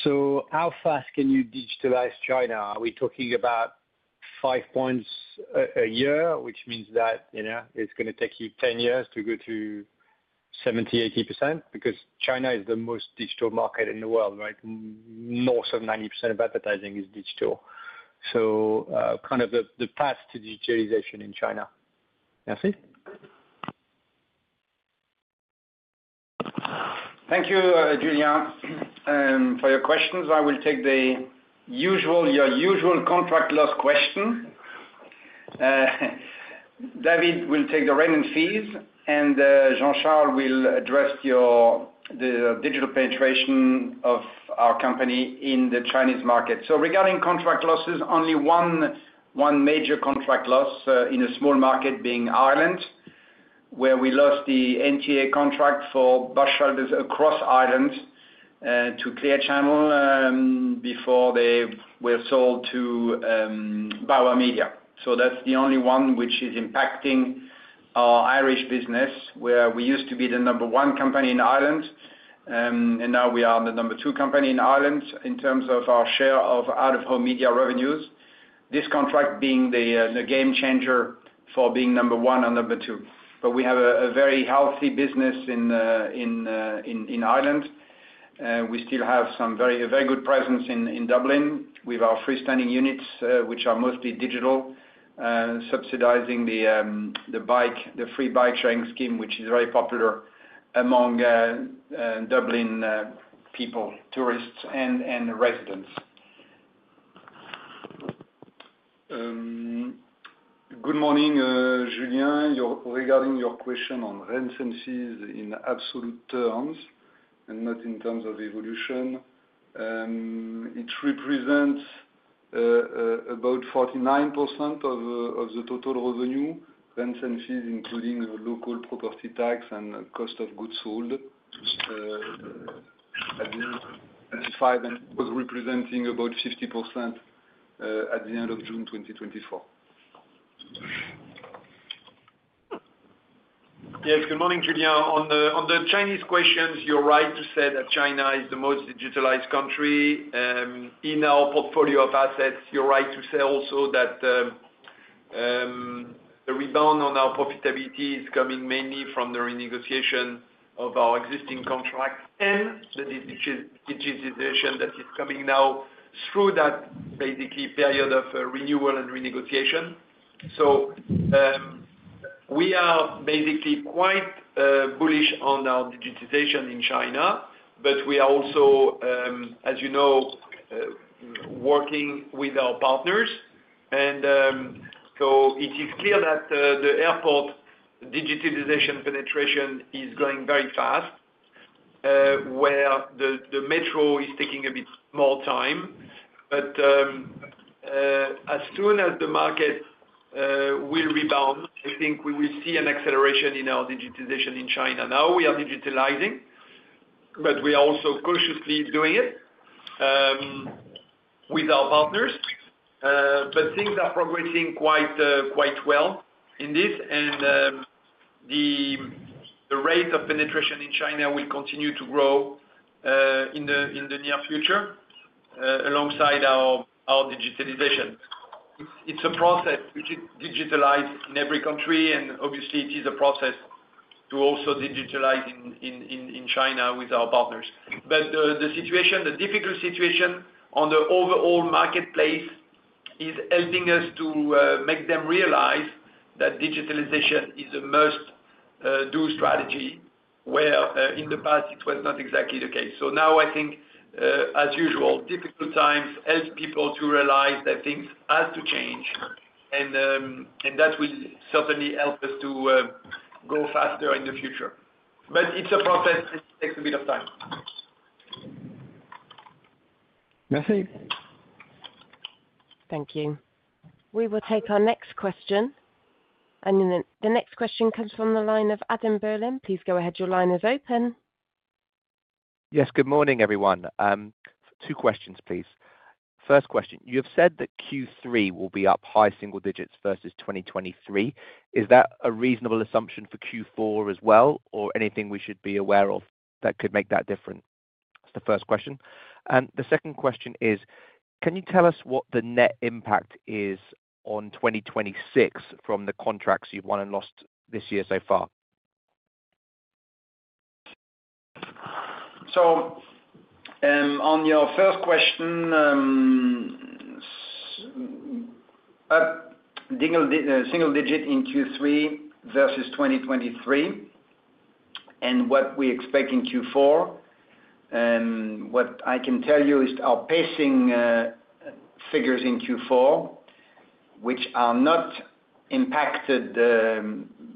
So how fast can you digitize China? Are we talking about five points a year, which means that, you know, it's gonna take you ten years to go to 80%? Because China is the most digital market in the world. Right? Most of 90% of advertising is digital. So kind of the path to digitalization in China. Merci? Thank you, Julien, for your questions. I will take the usual your usual contract loss question. David will take the rent and fees and Jean Charles will address your the digital penetration of our company in the Chinese market. So regarding contract losses, only one major contract loss in a small market being Ireland, where we lost the NTA contract for bus shelters across Ireland to Clear Channel before they were sold to Bauer Media. So that's the only one which is impacting our Irish business where we used to be the number one company in Ireland. And now we are the number two company in Ireland in terms of our share of out of home media revenues. This contract being the game changer for being number one and number two. But we have a very healthy business in Ireland. We still have some very, very good presence in Dublin with our freestanding units, which are mostly digital subsidizing the bike, the free bike sharing scheme, which is very popular among Dublin people, tourists and residents. Good morning, Julien. Your regarding your question on rent increases in absolute terms and not in terms of evolution. It represents about 49% of the total revenue, rents and fees including the local property tax and cost of goods sold. Was representing about 50% at the June 2024. Yes. Good morning, Julien. On the Chinese questions, you're right to say that China is the most digitalized country in our portfolio of assets. You're right to say also that the rebound on our profitability is coming mainly from the renegotiation of our existing contracts and the digitization that is coming now through that basically period of renewal and renegotiation. So we are basically quite bullish on our digitization in China, but we are also, as you know, working with our partners. And so it is clear that the airport digitization penetration is going very fast, where the metro is taking a bit more time. But as soon as the market will rebound, I think we will see an acceleration in our digitization in China. Now we are digitalizing, but we are also cautiously doing it with our partners. But things are progressing quite well in this. And the rate of penetration in China will continue to grow in the near future alongside our digitalization. It's a process. We can digitalize in every country. And obviously, it is a process to also digitalize in China with our partners. But the situation the difficult situation on the overall marketplace is helping us to make them realize that digitalization is a must do strategy, where in the past, it was not exactly the case. So now I think, as usual, difficult times help people to realize that things have to change, and and that will certainly help us to go faster in the future. But it's a process. It takes a bit of time. Thank you. We will take our next question. And the next question comes from the line of Adam Berlin. Please go ahead. Your line is open. Yes. Good morning, everyone. Two questions, please. First question, you have said that Q3 will be up high single digits versus 2023. Is that a reasonable assumption for Q4 as well? Or anything we should be aware of that could make that different? That's the first question. And the second question is, can you tell us what the net impact is on 2026 from the contracts you've won and lost this year so far? So on your first question, up single digit in Q3 versus 2023 and what we expect in Q4. And what I can tell you is our pacing figures in Q4, which are not impacted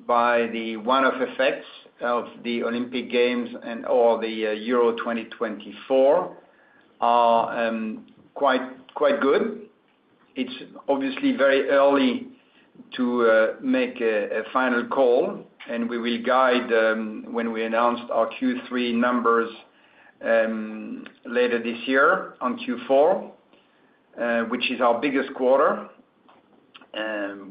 by the one off effects of the Olympic Games and or the Euro twenty twenty four are quite good. It's obviously very early to make a final call and we will guide when we announced our Q3 numbers later this year on Q4, which is our biggest quarter.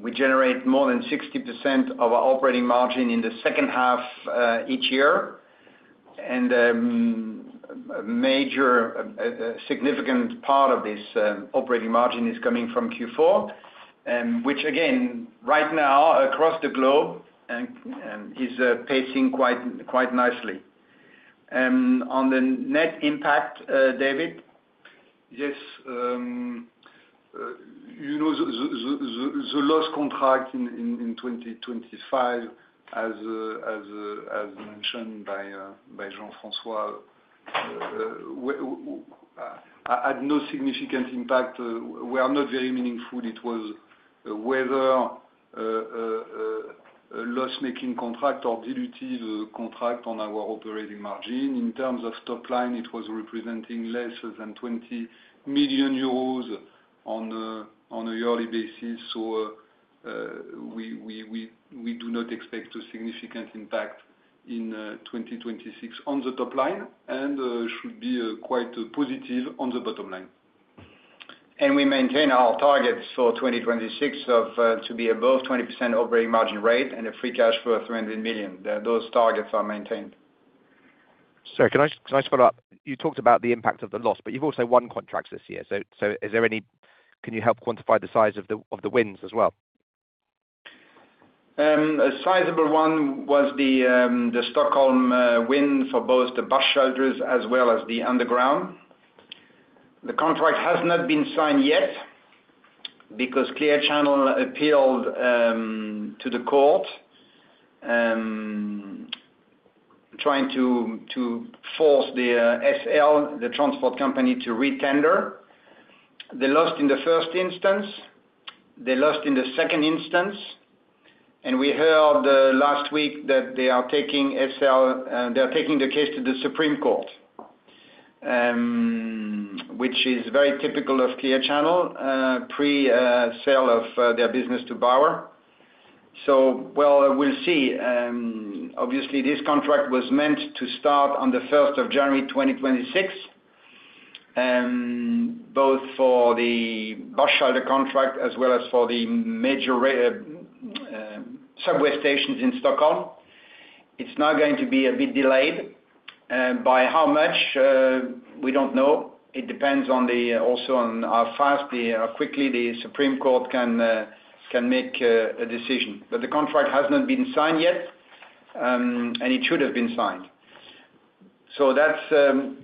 We generate more than 60% of our operating margin in the second half each year. And a major significant part of this operating margin is coming from Q4, which again, right now across the globe is pacing quite nicely. And on the net impact, David, yes, The loss contract in 2025, as mentioned by Jean Francois, had no significant impact. We are not very meaningful. It was whether loss making contract or dilutive contract on our operating margin. In terms of top line, it was representing less than 20,000,000 euros on a yearly basis. So we do not expect a significant impact in 2026 on the top line and should be quite positive on the bottom line. And we maintain our targets for 2026 of to be above 20% operating margin rate and a free cash flow of €300,000,000 Those targets are maintained. Sorry, can I just follow-up? You talked about the impact of the loss, you've also won contracts this year. So is there any can you help quantify the size of the wins as well? A sizable one was the Stockholm win for both the bus shelters as well as the underground. The contract has not been signed yet because Clear Channel appealed to the court trying to to force the SL, the transport company, to retender. They lost in the first instance. They lost in the second instance. And we heard last week that they are taking SL they are taking the case to the Supreme Court, which is very typical of Clear Channel pre sale of their business to Bauer. So well, we'll see. Obviously, this contract was meant to start on the 01/01/2026, both for the bus shelter contract as well as for the major subway stations in Stockholm. It's now going to be a bit delayed. By how much, we don't know. It depends on the also on how fast the how quickly the Supreme Court can make a decision. But the contract has not been signed yet, and it should have been signed. So that's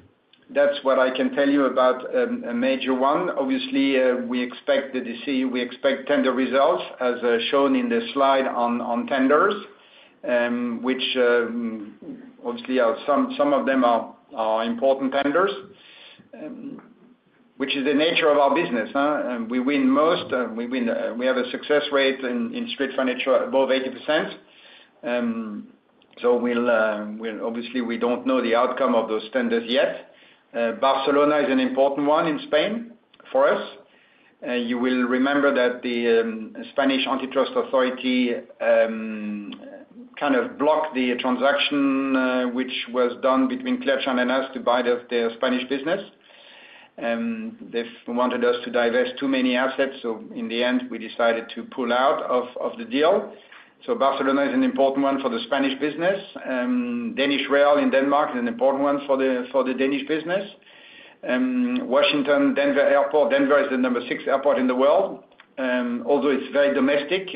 what I can tell you about a major one. Obviously, we expect the decision, we expect tender results as shown in the slide on tenders, which obviously are some of them are important tenders, which is the nature of our business. We win most. We win we have a success rate in Street Furniture above 80%. So we'll obviously, we don't know the outcome of those tenders yet. Barcelona is an important one in Spain for us. You will remember that the Spanish antitrust authority kind of blocked the transaction which was done between Klebschand and us to buy the Spanish business. They wanted us to divest too many assets. So in the end, we decided to pull out of the deal. So Barcelona is an important one for the Spanish business. Danish Rail in Denmark is an important one for the Danish business. Washington Denver Airport. Denver is the number six airport in the world. Although it's very domestic,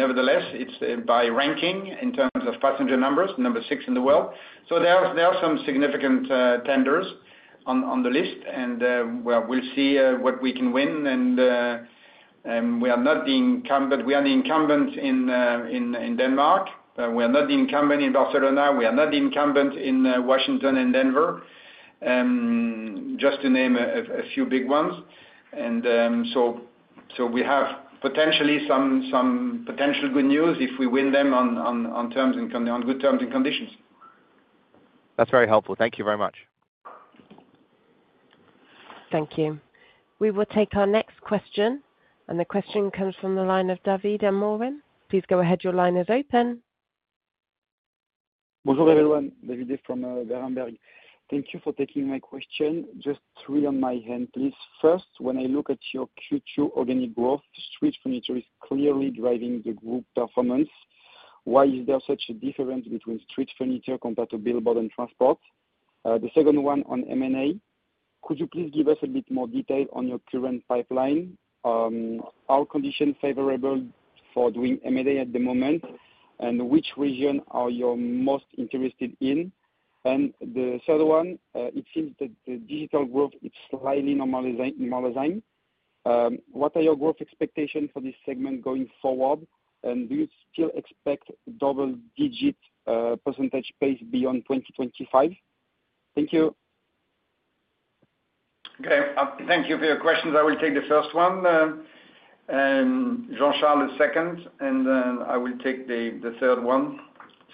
nevertheless, it's by ranking in terms of passenger numbers, number six in the world. So there are there are some significant tenders on on the list and we'll see what we can win. And we are not the incumbent. We are the incumbent in Denmark. We are not the incumbent in Barcelona. We are not the incumbent in Washington and Denver. Just to name a few big ones. And so we have potentially some potential good news if we win them on terms and on good terms and conditions. That's very helpful. Thank you very much. Thank you. We will take our next question. And the question comes from the line of David Amoren. Please go ahead. Your line is open. David from Berenberg. Thank you for taking my question. Just three on my hand, please. First, when I look at your Q2 organic growth, Street Furniture is clearly driving the group performance. Why is there such a difference between Street Furniture compared to billboard and transport? The second one on M and A. Could you please give us a bit more detail on your current pipeline? Are conditions favorable for doing M and A at the moment? And which region are you most interested in? And the third one, it seems that the digital growth is slightly normalizing. What are your growth expectation for this segment going forward? And do you still expect double digit percentage pace beyond 2025? You. Okay. Thank you for your questions. I will take the first one and Jean Charles second, and then I will take the the third one.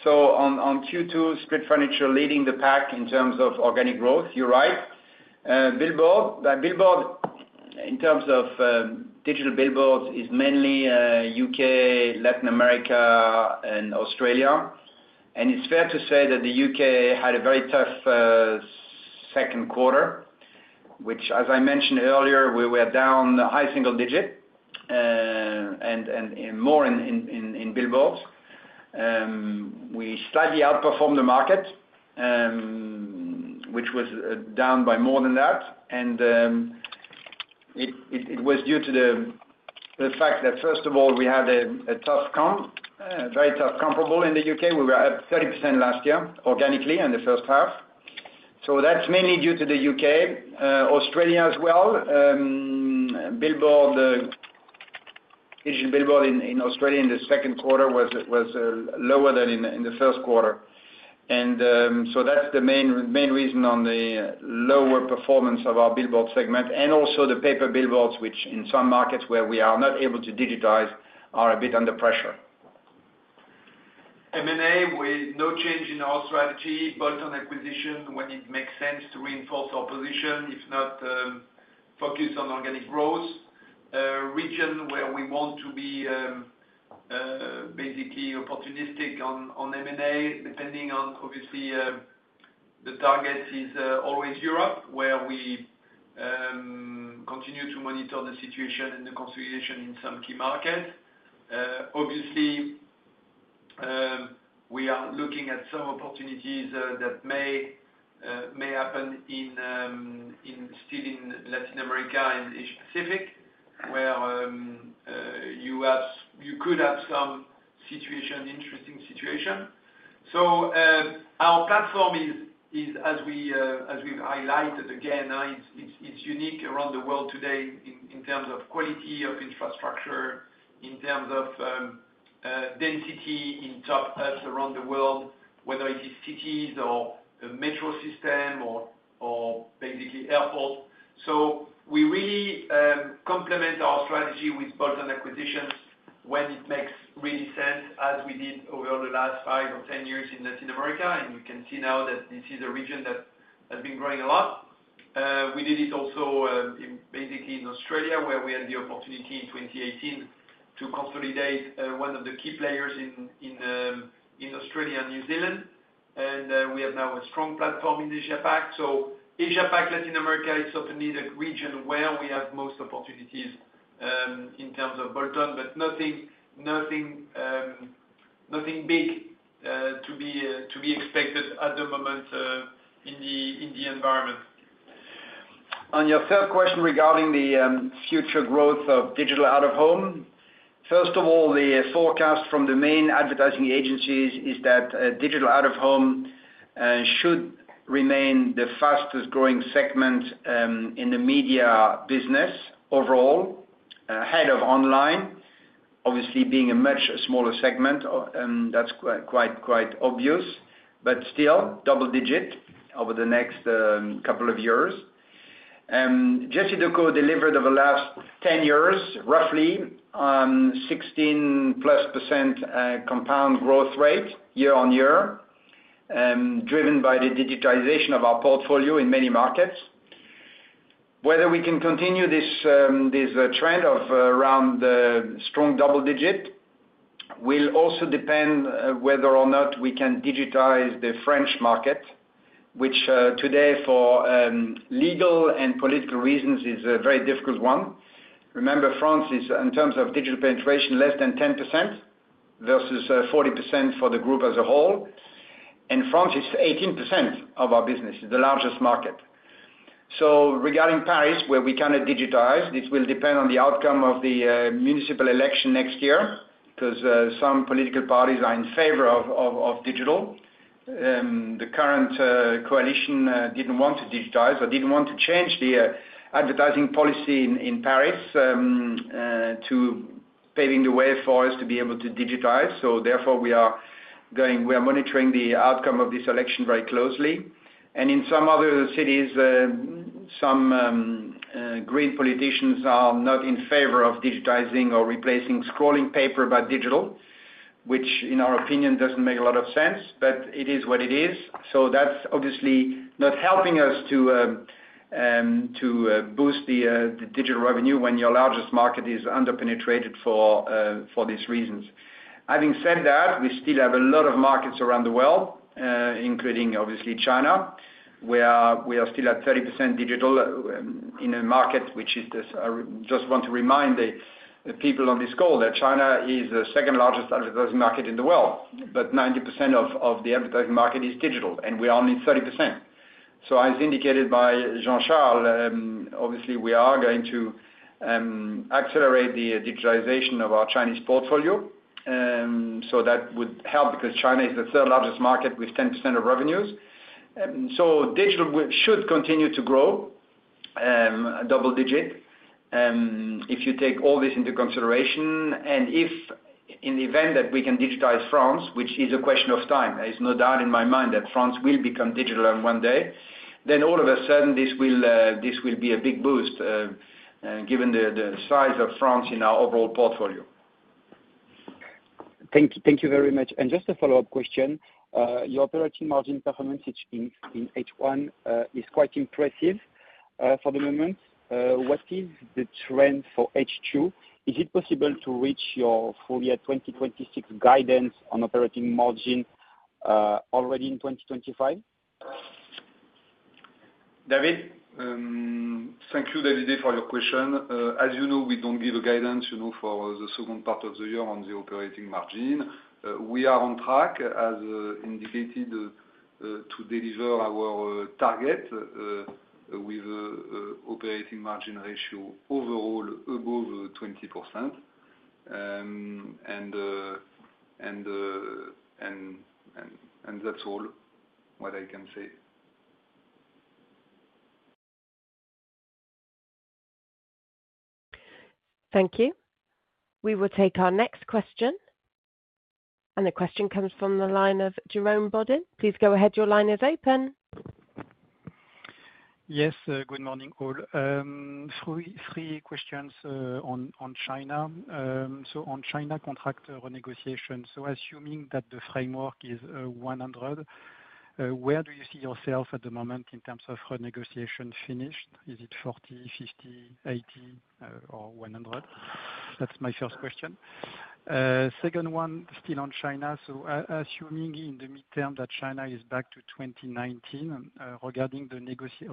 So on on q two, split financial leading the pack in terms of organic growth. You're right. Billboard. Billboard in terms of digital billboards is mainly UK, Latin America and Australia. And it's fair to say that The UK had a very tough second quarter, which as I mentioned earlier, we were down high single digit and more in billboards. We slightly outperformed the market, which was down by more than that. And it was due to the fact that, first of all, we had a tough comp, very tough comparable in The UK. We were up 30% last year organically in the first half. So that's mainly due to The UK. Australia as well, billboard Asian billboard in Australia in the second quarter was lower than in the first quarter. And so that's the main reason on the lower performance of our billboard segment and also the paper billboards, which in some markets where we are not able to digitize are a bit under pressure. M and A with no change in our strategy, bolt on acquisition when it makes sense to reinforce our position, if not focus on organic growth, region where we want to be basically opportunistic on M and A depending on obviously, the target is always Europe, where we continue to monitor the situation and the consolidation in some key markets. Obviously, we are looking at some opportunities that may happen still in Latin America and Asia Pacific, where you have you could have some situation, interesting situation. So our platform is, as we've highlighted again, it's unique around the world today in terms of quality of infrastructure, in terms of density in top ups around the world, whether it is cities or metro system or or basically airport. So we really complement our strategy with bolt on acquisitions when it makes really sense as we did over the last five or ten years in Latin America. And you can see now that this is a region that has been growing a lot. We did it also in basically in Australia where we had the opportunity in 2018 to consolidate one of the key players in in Australia and New Zealand. And we have now a strong platform in Asia Pac. So Asia Pac, Latin America is certainly the region where we have most opportunities in terms of bolt on, but nothing big to be expected at the moment in the environment. On your third question regarding the future growth of Digital Out of Home. First of all, the forecast from the main advertising agencies is that Digital Out of Home should remain the fastest growing segment in the media business overall, ahead of online, obviously being a much smaller segment and that's quite quite obvious. But still double digit over the next couple of years. Jesse Duco delivered over the last ten years roughly 16 plus percent compound growth rate year on year, driven by the digitization of our portfolio in many markets. Whether we can continue this trend of around strong double digit will also depend whether or not we can digitize the French market, which today for legal and political reasons is a very difficult one. Remember France is in terms of digital penetration less than 10% versus 40% for the group as a whole. And France is 18% of our business, the largest market. So regarding Paris where we cannot digitize, this will depend on the outcome of the municipal election next year because some political parties are in favor of digital. The current coalition didn't want to digitize or didn't want to change the advertising policy in Paris to paving the way for us to be able to digitize. So therefore, we are going we are monitoring the outcome of this election very closely. And in some other cities, some green politicians are not in favor of digitizing or replacing scrolling paper by digital, which in our opinion doesn't make a lot of sense, but it is what it is. So that's obviously not helping us to boost the digital revenue when your largest market is underpenetrated for these reasons. Having said that, we still have a lot of markets around the world, including obviously China, where we are still at 30% digital in a market, which is I just want to remind the people on this call that China is the second largest advertising market in the world, but 90% of the advertising market is digital and we are only 30%. So as indicated by Jean Charles, obviously, we are going to accelerate the digitization of our Chinese portfolio. So that would help because China is the third largest market with 10% of revenues. So digital should continue to grow double digit if you take all this into consideration. And if in the event that we can digitize France, which is a question of time, there is no doubt in my mind that France will become digital in one day, Then all of a sudden, this will be a big boost given the size of France in our overall portfolio. Thank you very much. And just a follow-up question. Your operating margin performance in H1 is quite impressive for the moment. What is the trend for H2? Is it possible to reach your full year 2026 guidance on operating margin already in 2025? David, thank you, David, for your question. As you know, we don't give a guidance for the second part of the year on the operating margin. We are on track, as indicated, to deliver our target with operating margin ratio overall above 20%. And that's all what I can say. Thank you. We will take our next question. And the question comes from the line of Jerome Bodin. Please go ahead. Your line is open. Yes. Good morning, all. Three questions on China. So on China contract renegotiation. So assuming that the framework is 100, where do you see yourself at the moment in terms of renegotiation finished? Is it forty, fifty, 80 or 100? That's my first Second one, still on China. So assuming in the midterm that China is back to 2019, regarding the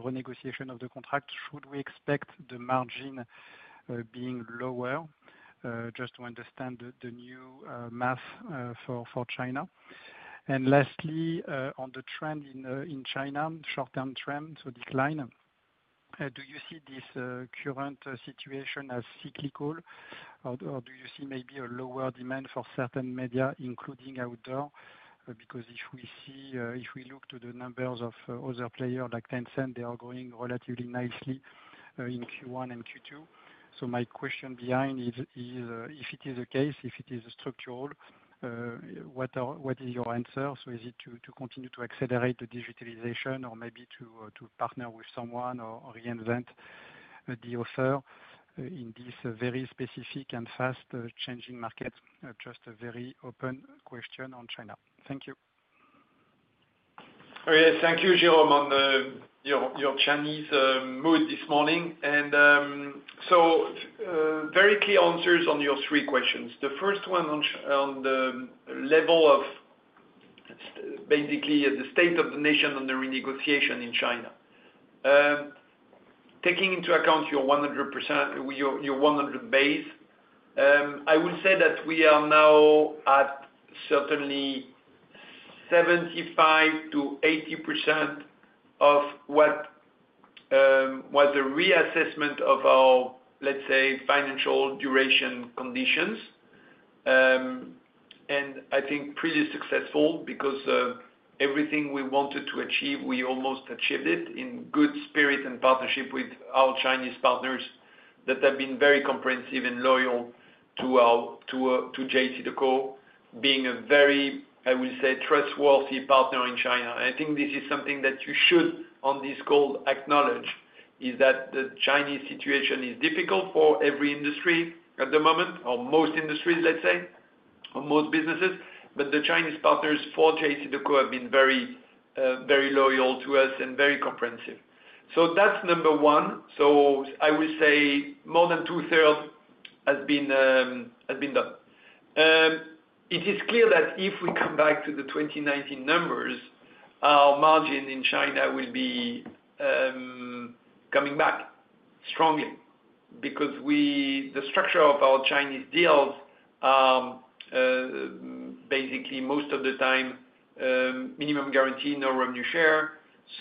renegotiation of the contract, should we expect the margin being lower, just to understand the new math for China? And lastly, on the trend in China, short term trend to decline, do you see this current situation as cyclical? Or do you see maybe a lower demand for certain media, including outdoor? Because if we see if we look to the numbers of other players like Tencent, they are growing relatively nicely in Q1 and Q2. So my question behind is if it is the case, if it is structural, what is your answer? So is it to continue to accelerate the digitalization or maybe to partner with someone or reinvent the offer in this very specific and fast changing market? Just a very open question on China. Thank you. Thank you, Jerome, on your Chinese mood this morning. And so very clear answers on your three questions. The first one the level of basically the state of the nation on the renegotiation in China. Taking into account your 100% your 100 base, I would say that we are now at certainly 75% to 80% of what was the reassessment of our, let's say, financial duration conditions. And I think pretty successful because everything we wanted to achieve, we almost achieved it in good spirit and partnership with our Chinese partners that have been very comprehensive and loyal to JC DeCo being a very, I will say, trustworthy partner in China. And I think this is something that you should, on this call, acknowledge is that the Chinese situation is difficult for every industry at the moment or most industries, let's say, or most businesses. But the Chinese partners' for J. T. De Coeur have been very loyal to us and very comprehensive. So that's number one. So I will say more than twothree has been done. It is clear that if we come back to the 2019 numbers, our margin in China will be coming back strongly because we the structure of our Chinese deals are basically most of the time minimum guarantee, no revenue share.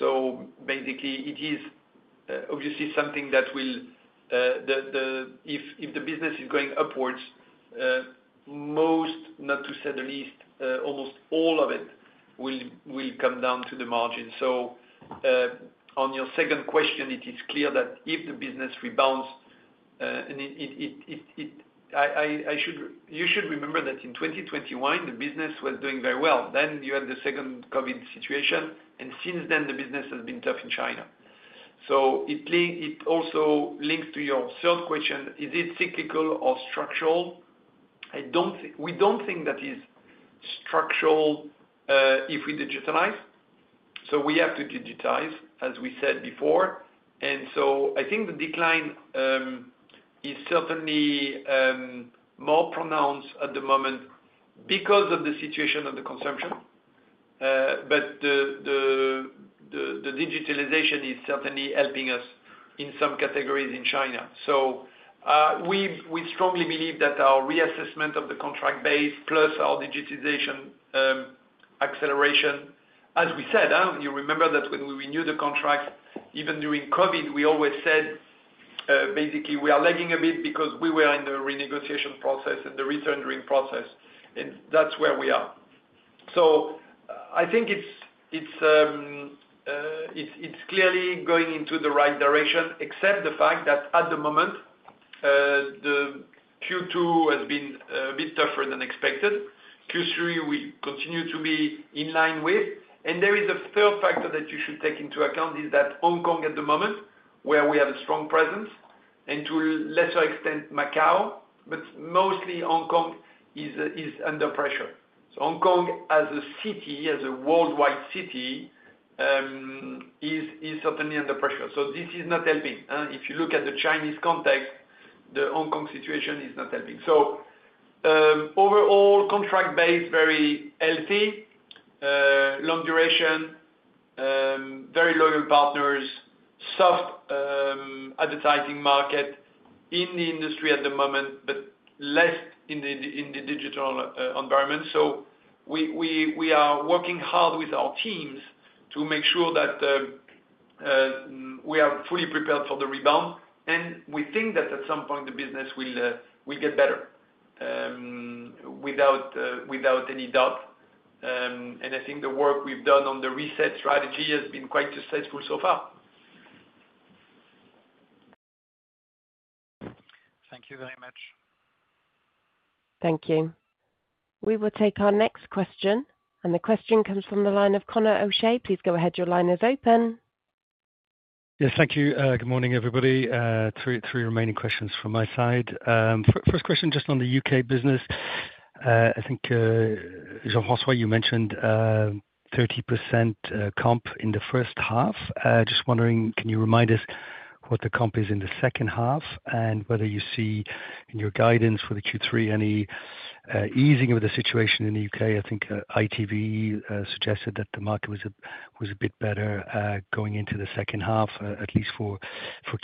So basically, it is obviously something that will the the if if the business is going upwards, most, not to say the least, almost all of it will come down to the margin. So on your second question, it is clear that if the business rebounds and it it I should you should remember that in 2021, the business was doing very well. Then you had the second COVID situation. And since then, the business has been tough in China. So it it also links to your third question. Is it cyclical or structural? I don't think we don't think that is structural if we digitalize. So we have to digitize, as we said before. And so I think the decline is certainly more pronounced at the moment because of the situation of the consumption. But the digitalization is certainly helping us in some categories in China. So we strongly believe that our reassessment of the contract base plus our digitization acceleration, as we said, you remember that when we renew the contract, even during COVID, we always said basically we are lagging a bit because we were in the renegotiation process and the re tendering process, and that's where we are. So I think it's clearly going into the right direction, except the fact that at the moment, the Q2 has been a bit tougher than expected. Q3, we continue to be in line with. And there is a third factor that you should take into account is that Hong Kong at the moment, where we have a strong presence and to a lesser extent Macau, but mostly Hong Kong is under pressure. So Hong Kong as a city, as a worldwide city, certainly under pressure. So this is not helping. If you look at the Chinese context, the Hong Kong situation is not helping. So overall, contract base, very healthy, long duration, very loyal partners, soft advertising market in the industry at the moment, but less in the digital environment. So we are working hard with our teams to make sure that we are fully prepared for the rebound. And we think that at some point, the business will get better without any doubt. And I think the work we've done on the reset strategy has been quite successful so far. Thank you very much. Thank you. We will take our next question. And the question comes from the line of Connor O'Shea. Please go ahead. Your line is open. Yes, thank you. Good morning, everybody. Three remaining questions from my side. First question, just on The UK business. I think Jean Francois, you mentioned 30% comp in the first half. Just wondering, can you remind us what the comp is in the second half? And whether you see in your guidance for the Q3 any easing of the situation in The U. K? I think ITV suggested that the market was a bit better going into the second half, at least for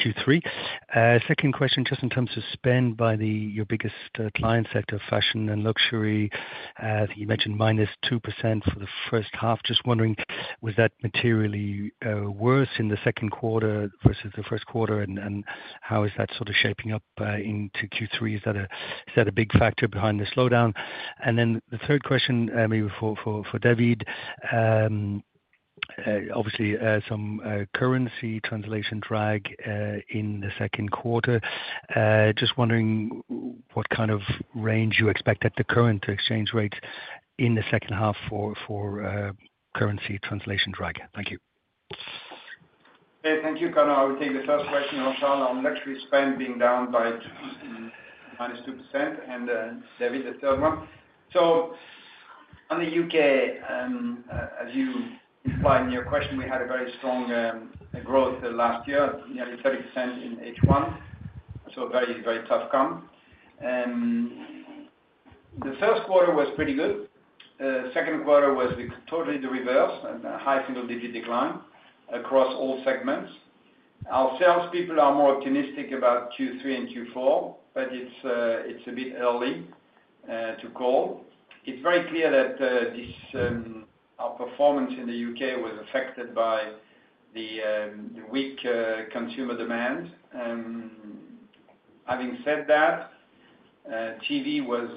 Q3. Second question, just in terms of spend by the your biggest client sector, Fashion and Luxury, you mentioned minus 2% for the first half. Just wondering, was that materially worse in the second quarter versus the first quarter? And how is that sort of shaping up into Q3? Is that a big factor behind the slowdown? And then the third question, maybe for David, obviously, some currency translation drag in the second quarter. Just wondering what kind of range you expect at the current exchange rate in the second half for currency translation drag. Thank you, Conor. I will take the first question, Rochard, on luxury spend being down by minus 2%, and David, the third one. So on The UK, as you find in your question, we had a very strong growth last year, nearly 30% in h one. So a very, very tough comp. And the first quarter was pretty good. Second quarter was totally the reverse, a high single digit decline across all segments. Our salespeople are more optimistic about Q3 and Q4, but it's a it's a bit early to call. It's very clear that this our performance in The UK was affected by the weak consumer demand. Having said that, TV was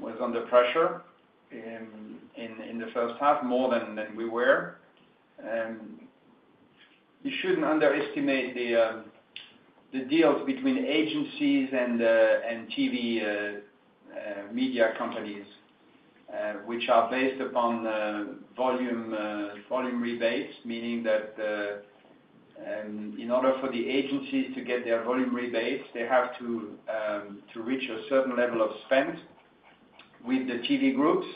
was under pressure in in in the first half more than than we were. You shouldn't underestimate the the deals between agencies and and TV media companies, which are based upon volume volume rebates, meaning that in order for the agencies to get their volume rebates, they have to to reach a certain level of spend with the TV groups.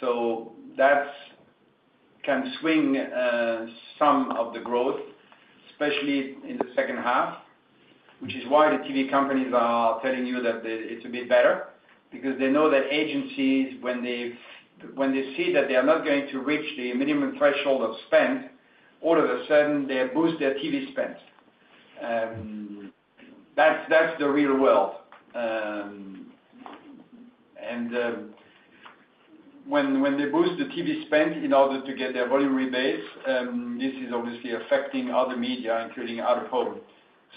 So that can swing some of the growth, especially in the second half, which is why the TV companies are telling you that it's a bit better because they know that agencies, they when they see that they are not going to reach the minimum threshold of spend, all of a sudden, they boost their TV spend. That's that's the real world. And when when they boost the TV spend in order to get their volume rebase, this is obviously affecting other media, including out of home.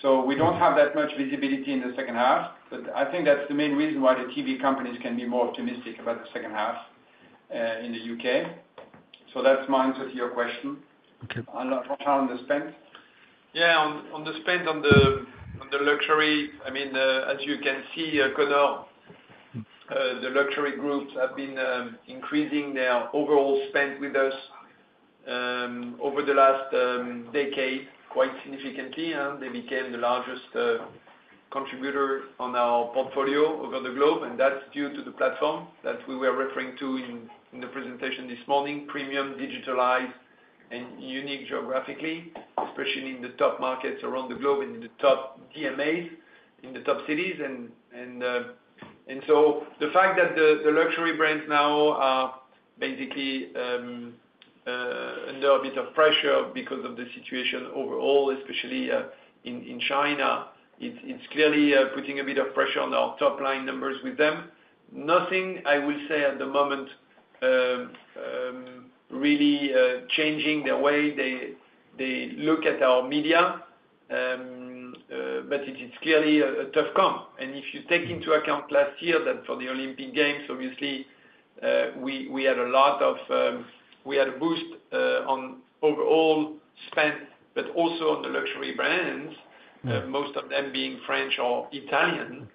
So we don't have that much visibility in the second half, but I think that's the main reason why the TV companies can be more optimistic about the second half in The UK. So that's my answer to your question. Laurent, on the spend? Yes. On the spend, on the luxury, I mean, as you can see, Konar, the luxury groups have been increasing their overall spend with us over the last decade quite significantly. They became the largest contributor on our portfolio over the globe, and that's due to the platform that we were referring to in the presentation this morning, premium, digitalized and unique geographically, especially in the top markets around the globe and in the top DMAs, in the top cities. And so the fact that the luxury brands now are basically under a bit of pressure because of the situation overall, especially in China, It's clearly putting a bit of pressure on our top line numbers with them. Nothing, I will say, the moment really changing the way they look at our media. But it is clearly a tough comp. And if you take into account last year that for the Olympic Games, obviously, we we had a lot of we had a boost on overall spend, but also on the luxury brands, most of them being French or Italian,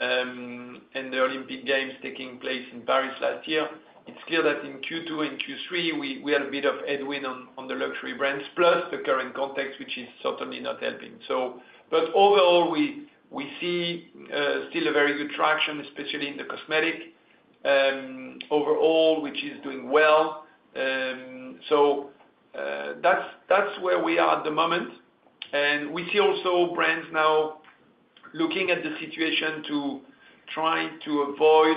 and the Olympic Games taking place in Paris last year. It's clear that in q two and q three, we we had a bit of headwind on the luxury brands plus the current context, which is certainly not helping. So but overall, we see still a very good traction, especially in the cosmetic overall, which is doing well. So that's where we are at the moment. And we see also brands now looking at the situation to try to avoid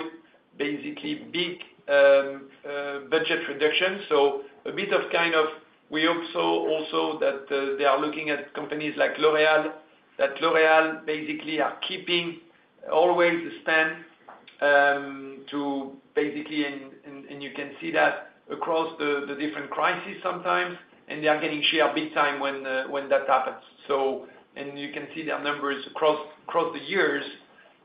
basically big budget reduction. So a bit of kind of we hope so also that they are looking at companies like L'Oreal, that L'Oreal basically are keeping always the stand to basically and you can see that across the different crisis sometimes, and they are getting share big time when that happens. So and you can see their numbers across the years.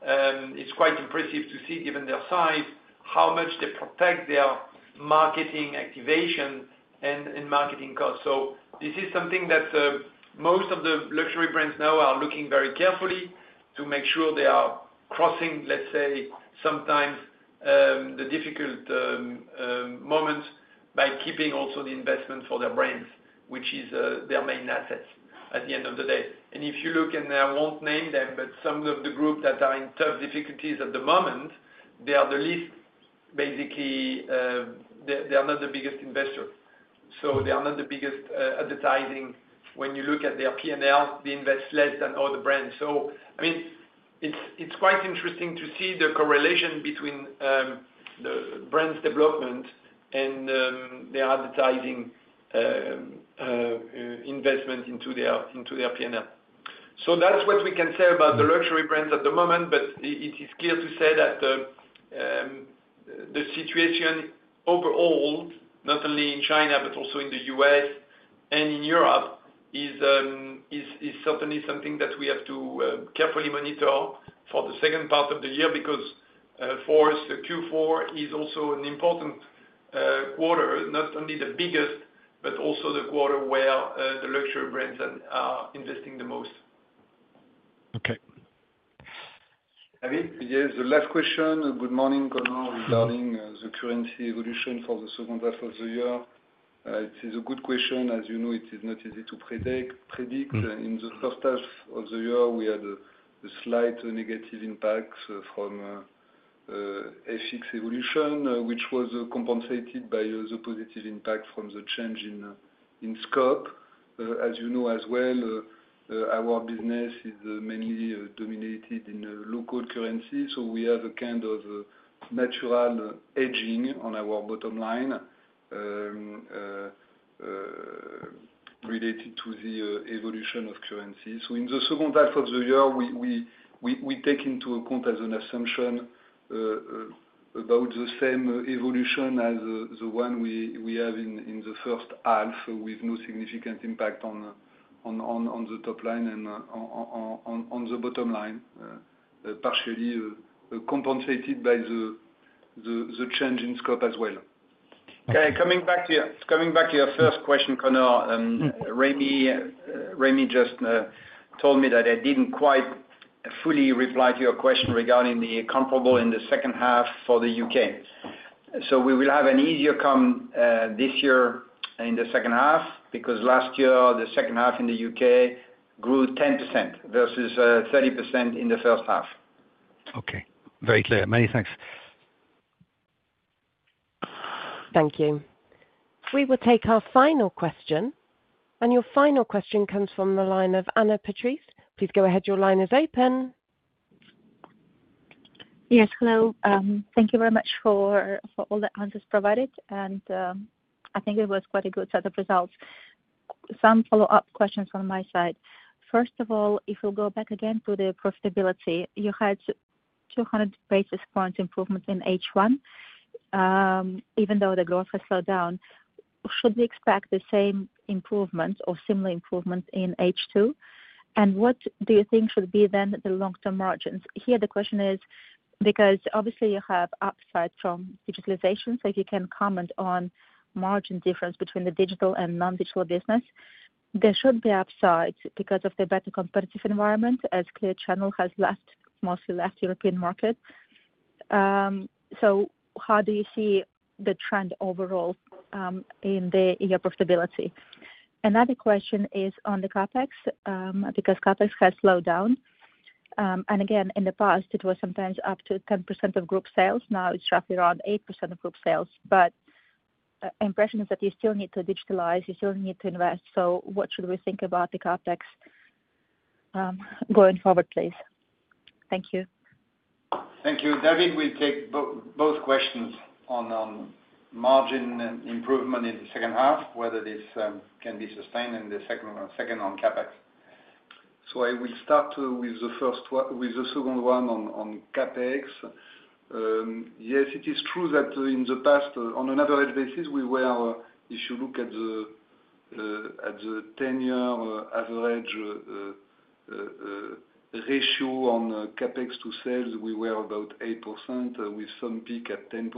It's quite impressive to see, given their size, how much they protect their marketing activation and marketing costs. So this is something that most of the luxury brands now are looking very carefully to make sure they are crossing, let's say, sometimes the difficult moments by keeping also the investment for their brands, which is their main assets at the end of the day. And if you look and I won't name them, but some of the group that are in tough difficulties at the moment, they are the least basically they are not the biggest investor. So they are not the biggest advertising when you look at their P and L. They invest less than all the brands. So I mean, it's quite interesting to see the correlation between the brands' development and their advertising investment into their P and L. So that's what we can say about the luxury brands at the moment. But it is clear to say that the situation overall, not only in China but also in The U. S. And in Europe, is certainly something that we have to carefully monitor for the second part of the year because for us, Q4 is also an important quarter, not only the biggest, but also the quarter where the luxury brands are investing the most. Abhi? Yes. The last question. Morning, Conor, regarding the currency evolution for the second half of the year. It is a good question. As you know, it is not easy to predict. In the first half of the year, we had a slight negative impact from FX evolution, which was compensated by the positive positive impact from the change in scope. As you know as well, our business is mainly dominated in local currency, so we have a kind of natural hedging on our bottom line related to the evolution of currencies. So in the second half of the year, we take into account as an assumption about the same evolution as the one we have in the first half with no significant impact on the top line and on the bottom line, partially compensated by the change in scope as well. Okay. Coming back to your first question, Conor, Remy just told me that I didn't quite fully reply to your question regarding the comparable in the second half for The UK. So we will have an easier come this year in the second half because last year, the second half in The UK grew 10% versus 30% in the first half. Okay. Very clear. Many thanks. Thank you. We will take our final question. And your final question comes from the line of Anna Patrice. Please go ahead. Your line is open. Yes. Hello. Thank you very much for all the answers provided, and I think it was quite a good set of results. Some follow-up questions from my side. First of all, if we'll go back again to the profitability, you had 200 basis points improvement in h one even though the growth has slowed down. Should we expect the same improvement or similar improvement in h two? And what do you think should be then the long term margins? Here, the question is because, obviously, you have upside from digitalization. So if you can comment on margin difference between the digital and nondigital business, there should be upside because of the better competitive environment as Clear Channel has left mostly left European market. So how do you see the trend overall in the in your profitability? Another question is on the CapEx because CapEx has slowed down. And, again, in the past, it was sometimes up to 10% of group sales. Now it's roughly around 8% of group sales. But impression is that you still need to digitalize. You still need to invest. So what should we think about the CapEx going forward, please? You. You. David, we'll take both questions on margin improvement in the second half, whether this can be sustained and the second on CapEx. So I will start with the first one with the second one on CapEx. Yes, it is true that in the past, on an average basis, we were if you look at the ten year average ratio on CapEx to sales, we were about 8% with some peak at 10%.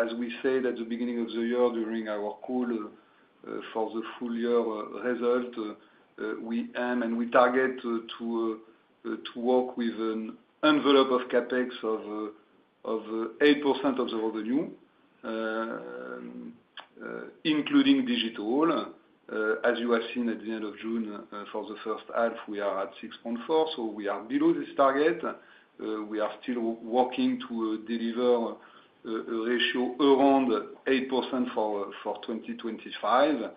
As we said at the beginning of the year during our call for the full year result, we aim and we target to work with an envelope of CapEx of 8% of the revenue, including digital. As you have seen at the June for the first half, we are at 6.4%, so we are below this target. We are still working to deliver a ratio around 8% for 2025.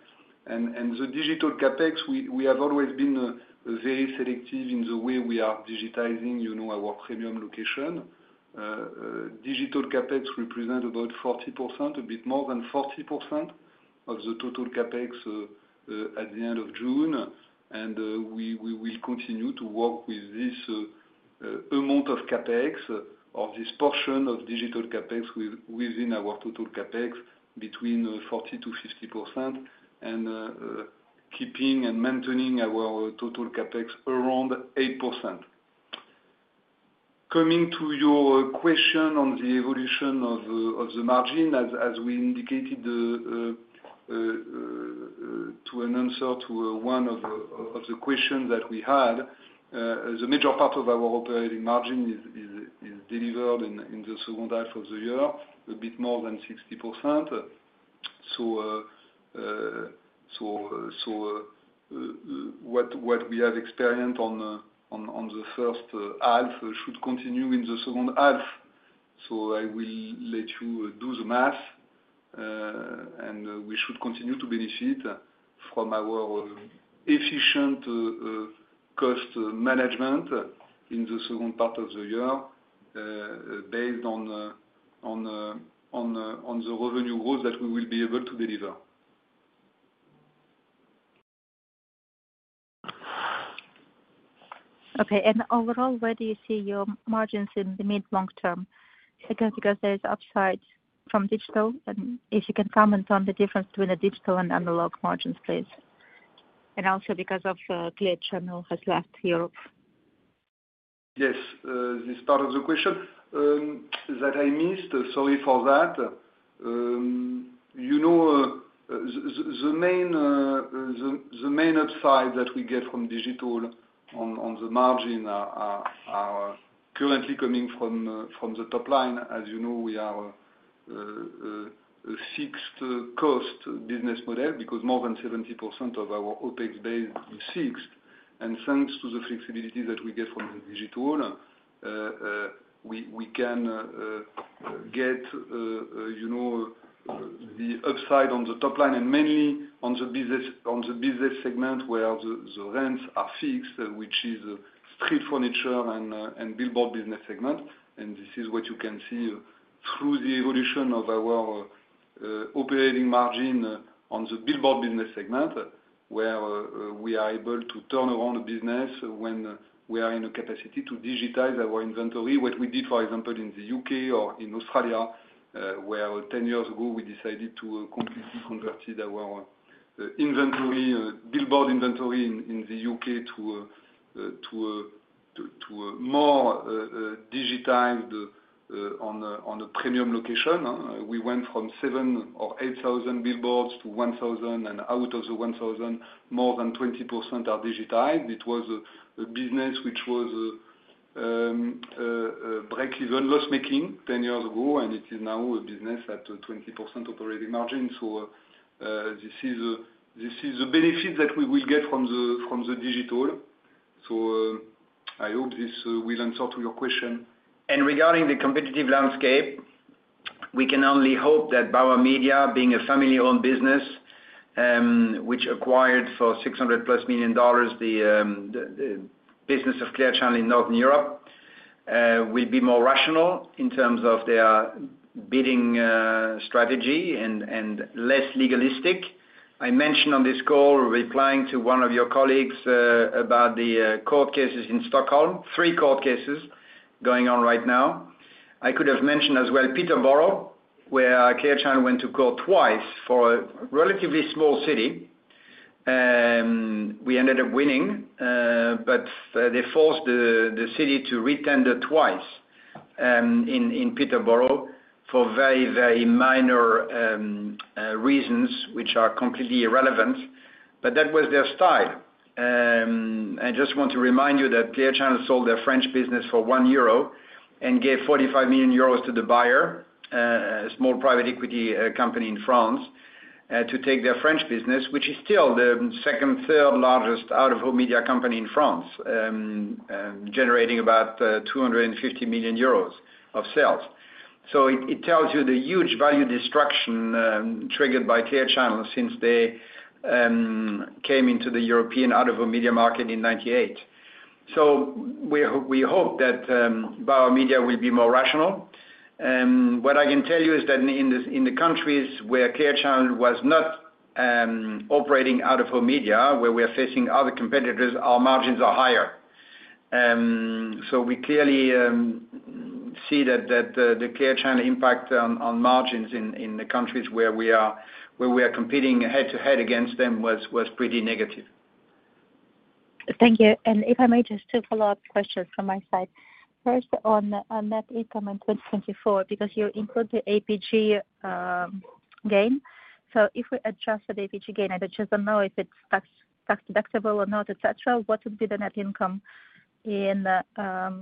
And the digital CapEx, we have always been very selective in the way we are digitizing our premium location. Digital CapEx represent about 40%, a bit more than 40% of the total CapEx at the June. And we will continue to work with this amount of CapEx of this portion of digital CapEx within our total CapEx between 40% to 50% and keeping and maintaining our total CapEx around 8%. Coming to your question on the evolution of the margin, as we indicated to an answer to one of the questions that we had, the major part of our operating margin is delivered in the second half of the year, a bit more than 60%. So what we have experienced on the first half should continue in the second half. So I will let you do the math, and we should continue to benefit from our efficient cost management in the second part of the year based the revenue growth that we will be able to deliver. Okay. And overall, where do you see your margins in the mid long term? Because there is upside from digital. And if you can comment on the difference between the digital and analog margins, please. And also because of glitch channel has left Europe. Yes. This is part of the question that I missed, sorry for that. The main upside that we get from digital the margin are currently coming from the top line. As you know, we are a fixed cost business model because more than 70% of our OpEx base is fixed. And thanks to the flexibility that we get from the digital, we can get the upside on the top line and mainly on the business segment where the rents are fixed, which is Street Furniture and Billboard business segment. And this is what you can see through the evolution of our operating margin on the Billboard business segment, where we are able to turn around the business when we are in a capacity to digitize our inventory. What we did, for example, in The U. K. Or in Australia, where ten years ago, we decided to completely convert our inventory billboard inventory in The U. K. To more digitized on a premium location. We went from seven or 8,000 billboards to 1,000 and out of the 1,000, more than 20% are digitized. It was a business which was breakeven loss making ten years ago, and it is now a business at 20% operating margin. So this is a benefit that we will get from the digital. So I hope this will answer to your question. And regarding the competitive landscape, we can only hope that Bauer Media being a family owned business, which acquired for $600 plus million the business of Clear Channel in Northern Europe will be more rational in terms of their bidding strategy and less legalistic. I mentioned on this call replying to one of your colleagues about the court cases in Stockholm, three court cases going on right now. I could have mentioned as well Peterborough, where Care Channel went to court twice for a relatively small city. We ended up winning, but they forced the city to retender twice in Peterborough for very, very minor reasons, which are completely irrelevant. But that was their style. And just want to remind you that Clear Channel sold their French business for 1 euro and gave 45 million euros to the buyer, a small private equity company in France to take their French business, which is still the second, third largest out of home media company in France, generating about €250,000,000 of sales. So it tells you the huge destruction triggered by Care Channel since they came into the European out of home media market in 'ninety eight. So we hope that Biomedia will be more rational. And what I can tell you is that in the countries where Care Channel was not operating out of our media, where we are facing other competitors, our margins are higher. So we clearly see that the Care channel impact on margins in the countries where we are competing head to head against them was pretty negative. Thank you. And if I may just two follow-up questions from my side. First, on on net income in 2024 because you include the APG gain. So if we adjust the APG gain, I just don't know if it's tax tax deductible or not, etcetera. What would be the net income in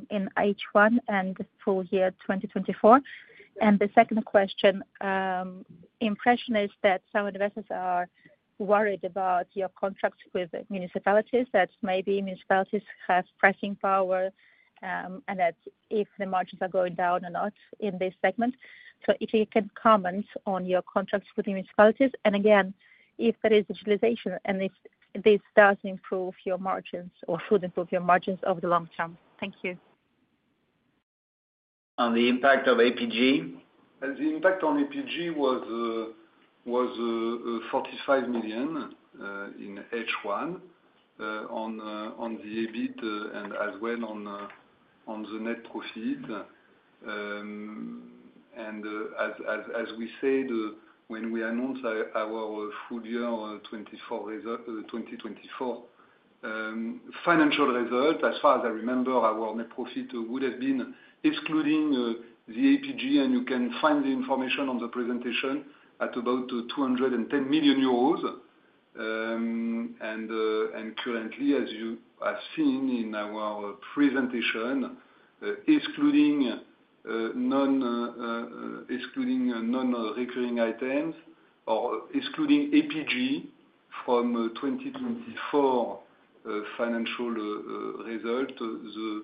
in h one and full year 2024? And the second question, impression is that some investors are worried about your contracts with municipalities that maybe municipalities have pricing power and that if the margins are going down or not in this segment. So if you can comment on your contracts with municipalities. And, if there is digitalization and if this does improve your margins or should improve your margins over the long term. Thank you. On the impact of APG? The impact on APG was 45,000,000 in H1 on the EBIT and as well on the net profit. And as we said when we announced our full year '24 financial result. As far as I remember, our net profit would have been excluding the APG, and you can find the information on the presentation, at about EUR $210,000,000. And currently, as you have seen in our presentation, excluding nonrecurring items or excluding APG from 2024 financial result, the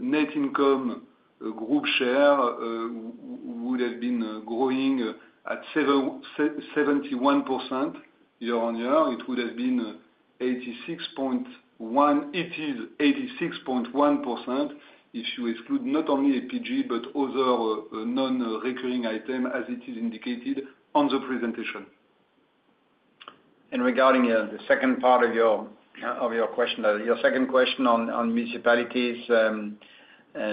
net income group share would have been growing at 71% year on year. It would have been 86.1% if you exclude not only APG but other nonrecurring items as it is indicated on the presentation. And regarding the second part of your question, your second question on municipalities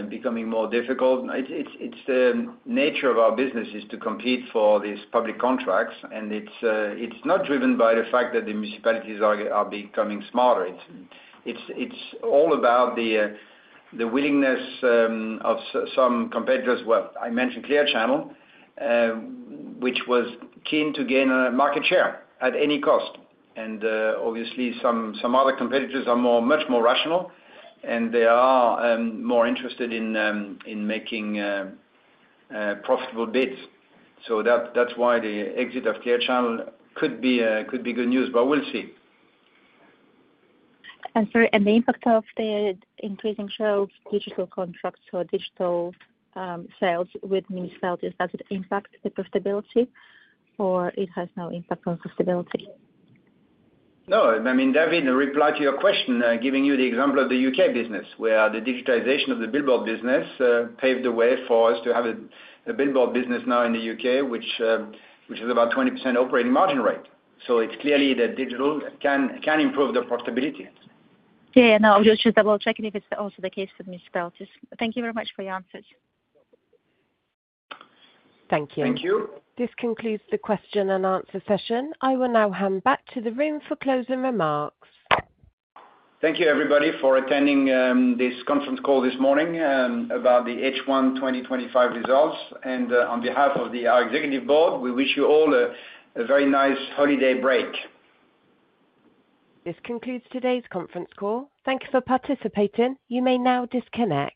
becoming more difficult. It's the nature of our business is to compete for these public contracts. And it's not driven by the fact that the municipalities are becoming smarter. It's all about the willingness of some competitors, what I mentioned Clear Channel, which was keen to gain market share at any cost. And obviously, some other competitors are more much more rational and they are more interested in making profitable bids. So that's why the exit of Clear Channel could be good news, but we'll see. And sorry, and the impact of the increasing show digital contracts or digital sales with new sales, does it impact the profitability or it has no impact on profitability? No. I mean, David, in reply to your question, giving you the example of The UK business where the digitization of the billboard business paved the way for us to have a billboard business now in The UK, which is about 20% operating margin rate. So it's clearly that digital can improve the profitability. Yeah. No. I'm just double checking if it's also the case for miss Paltus. Thank you very much for your answers. Thank you. Thank you. This concludes the question and answer session. I will now hand back to the room for closing remarks. Thank you, everybody, for attending this conference call this morning about the H1 twenty twenty five results. And on behalf of our Executive Board, we wish you all a very nice holiday break. This concludes today's conference call. Thank you for participating. You may now disconnect.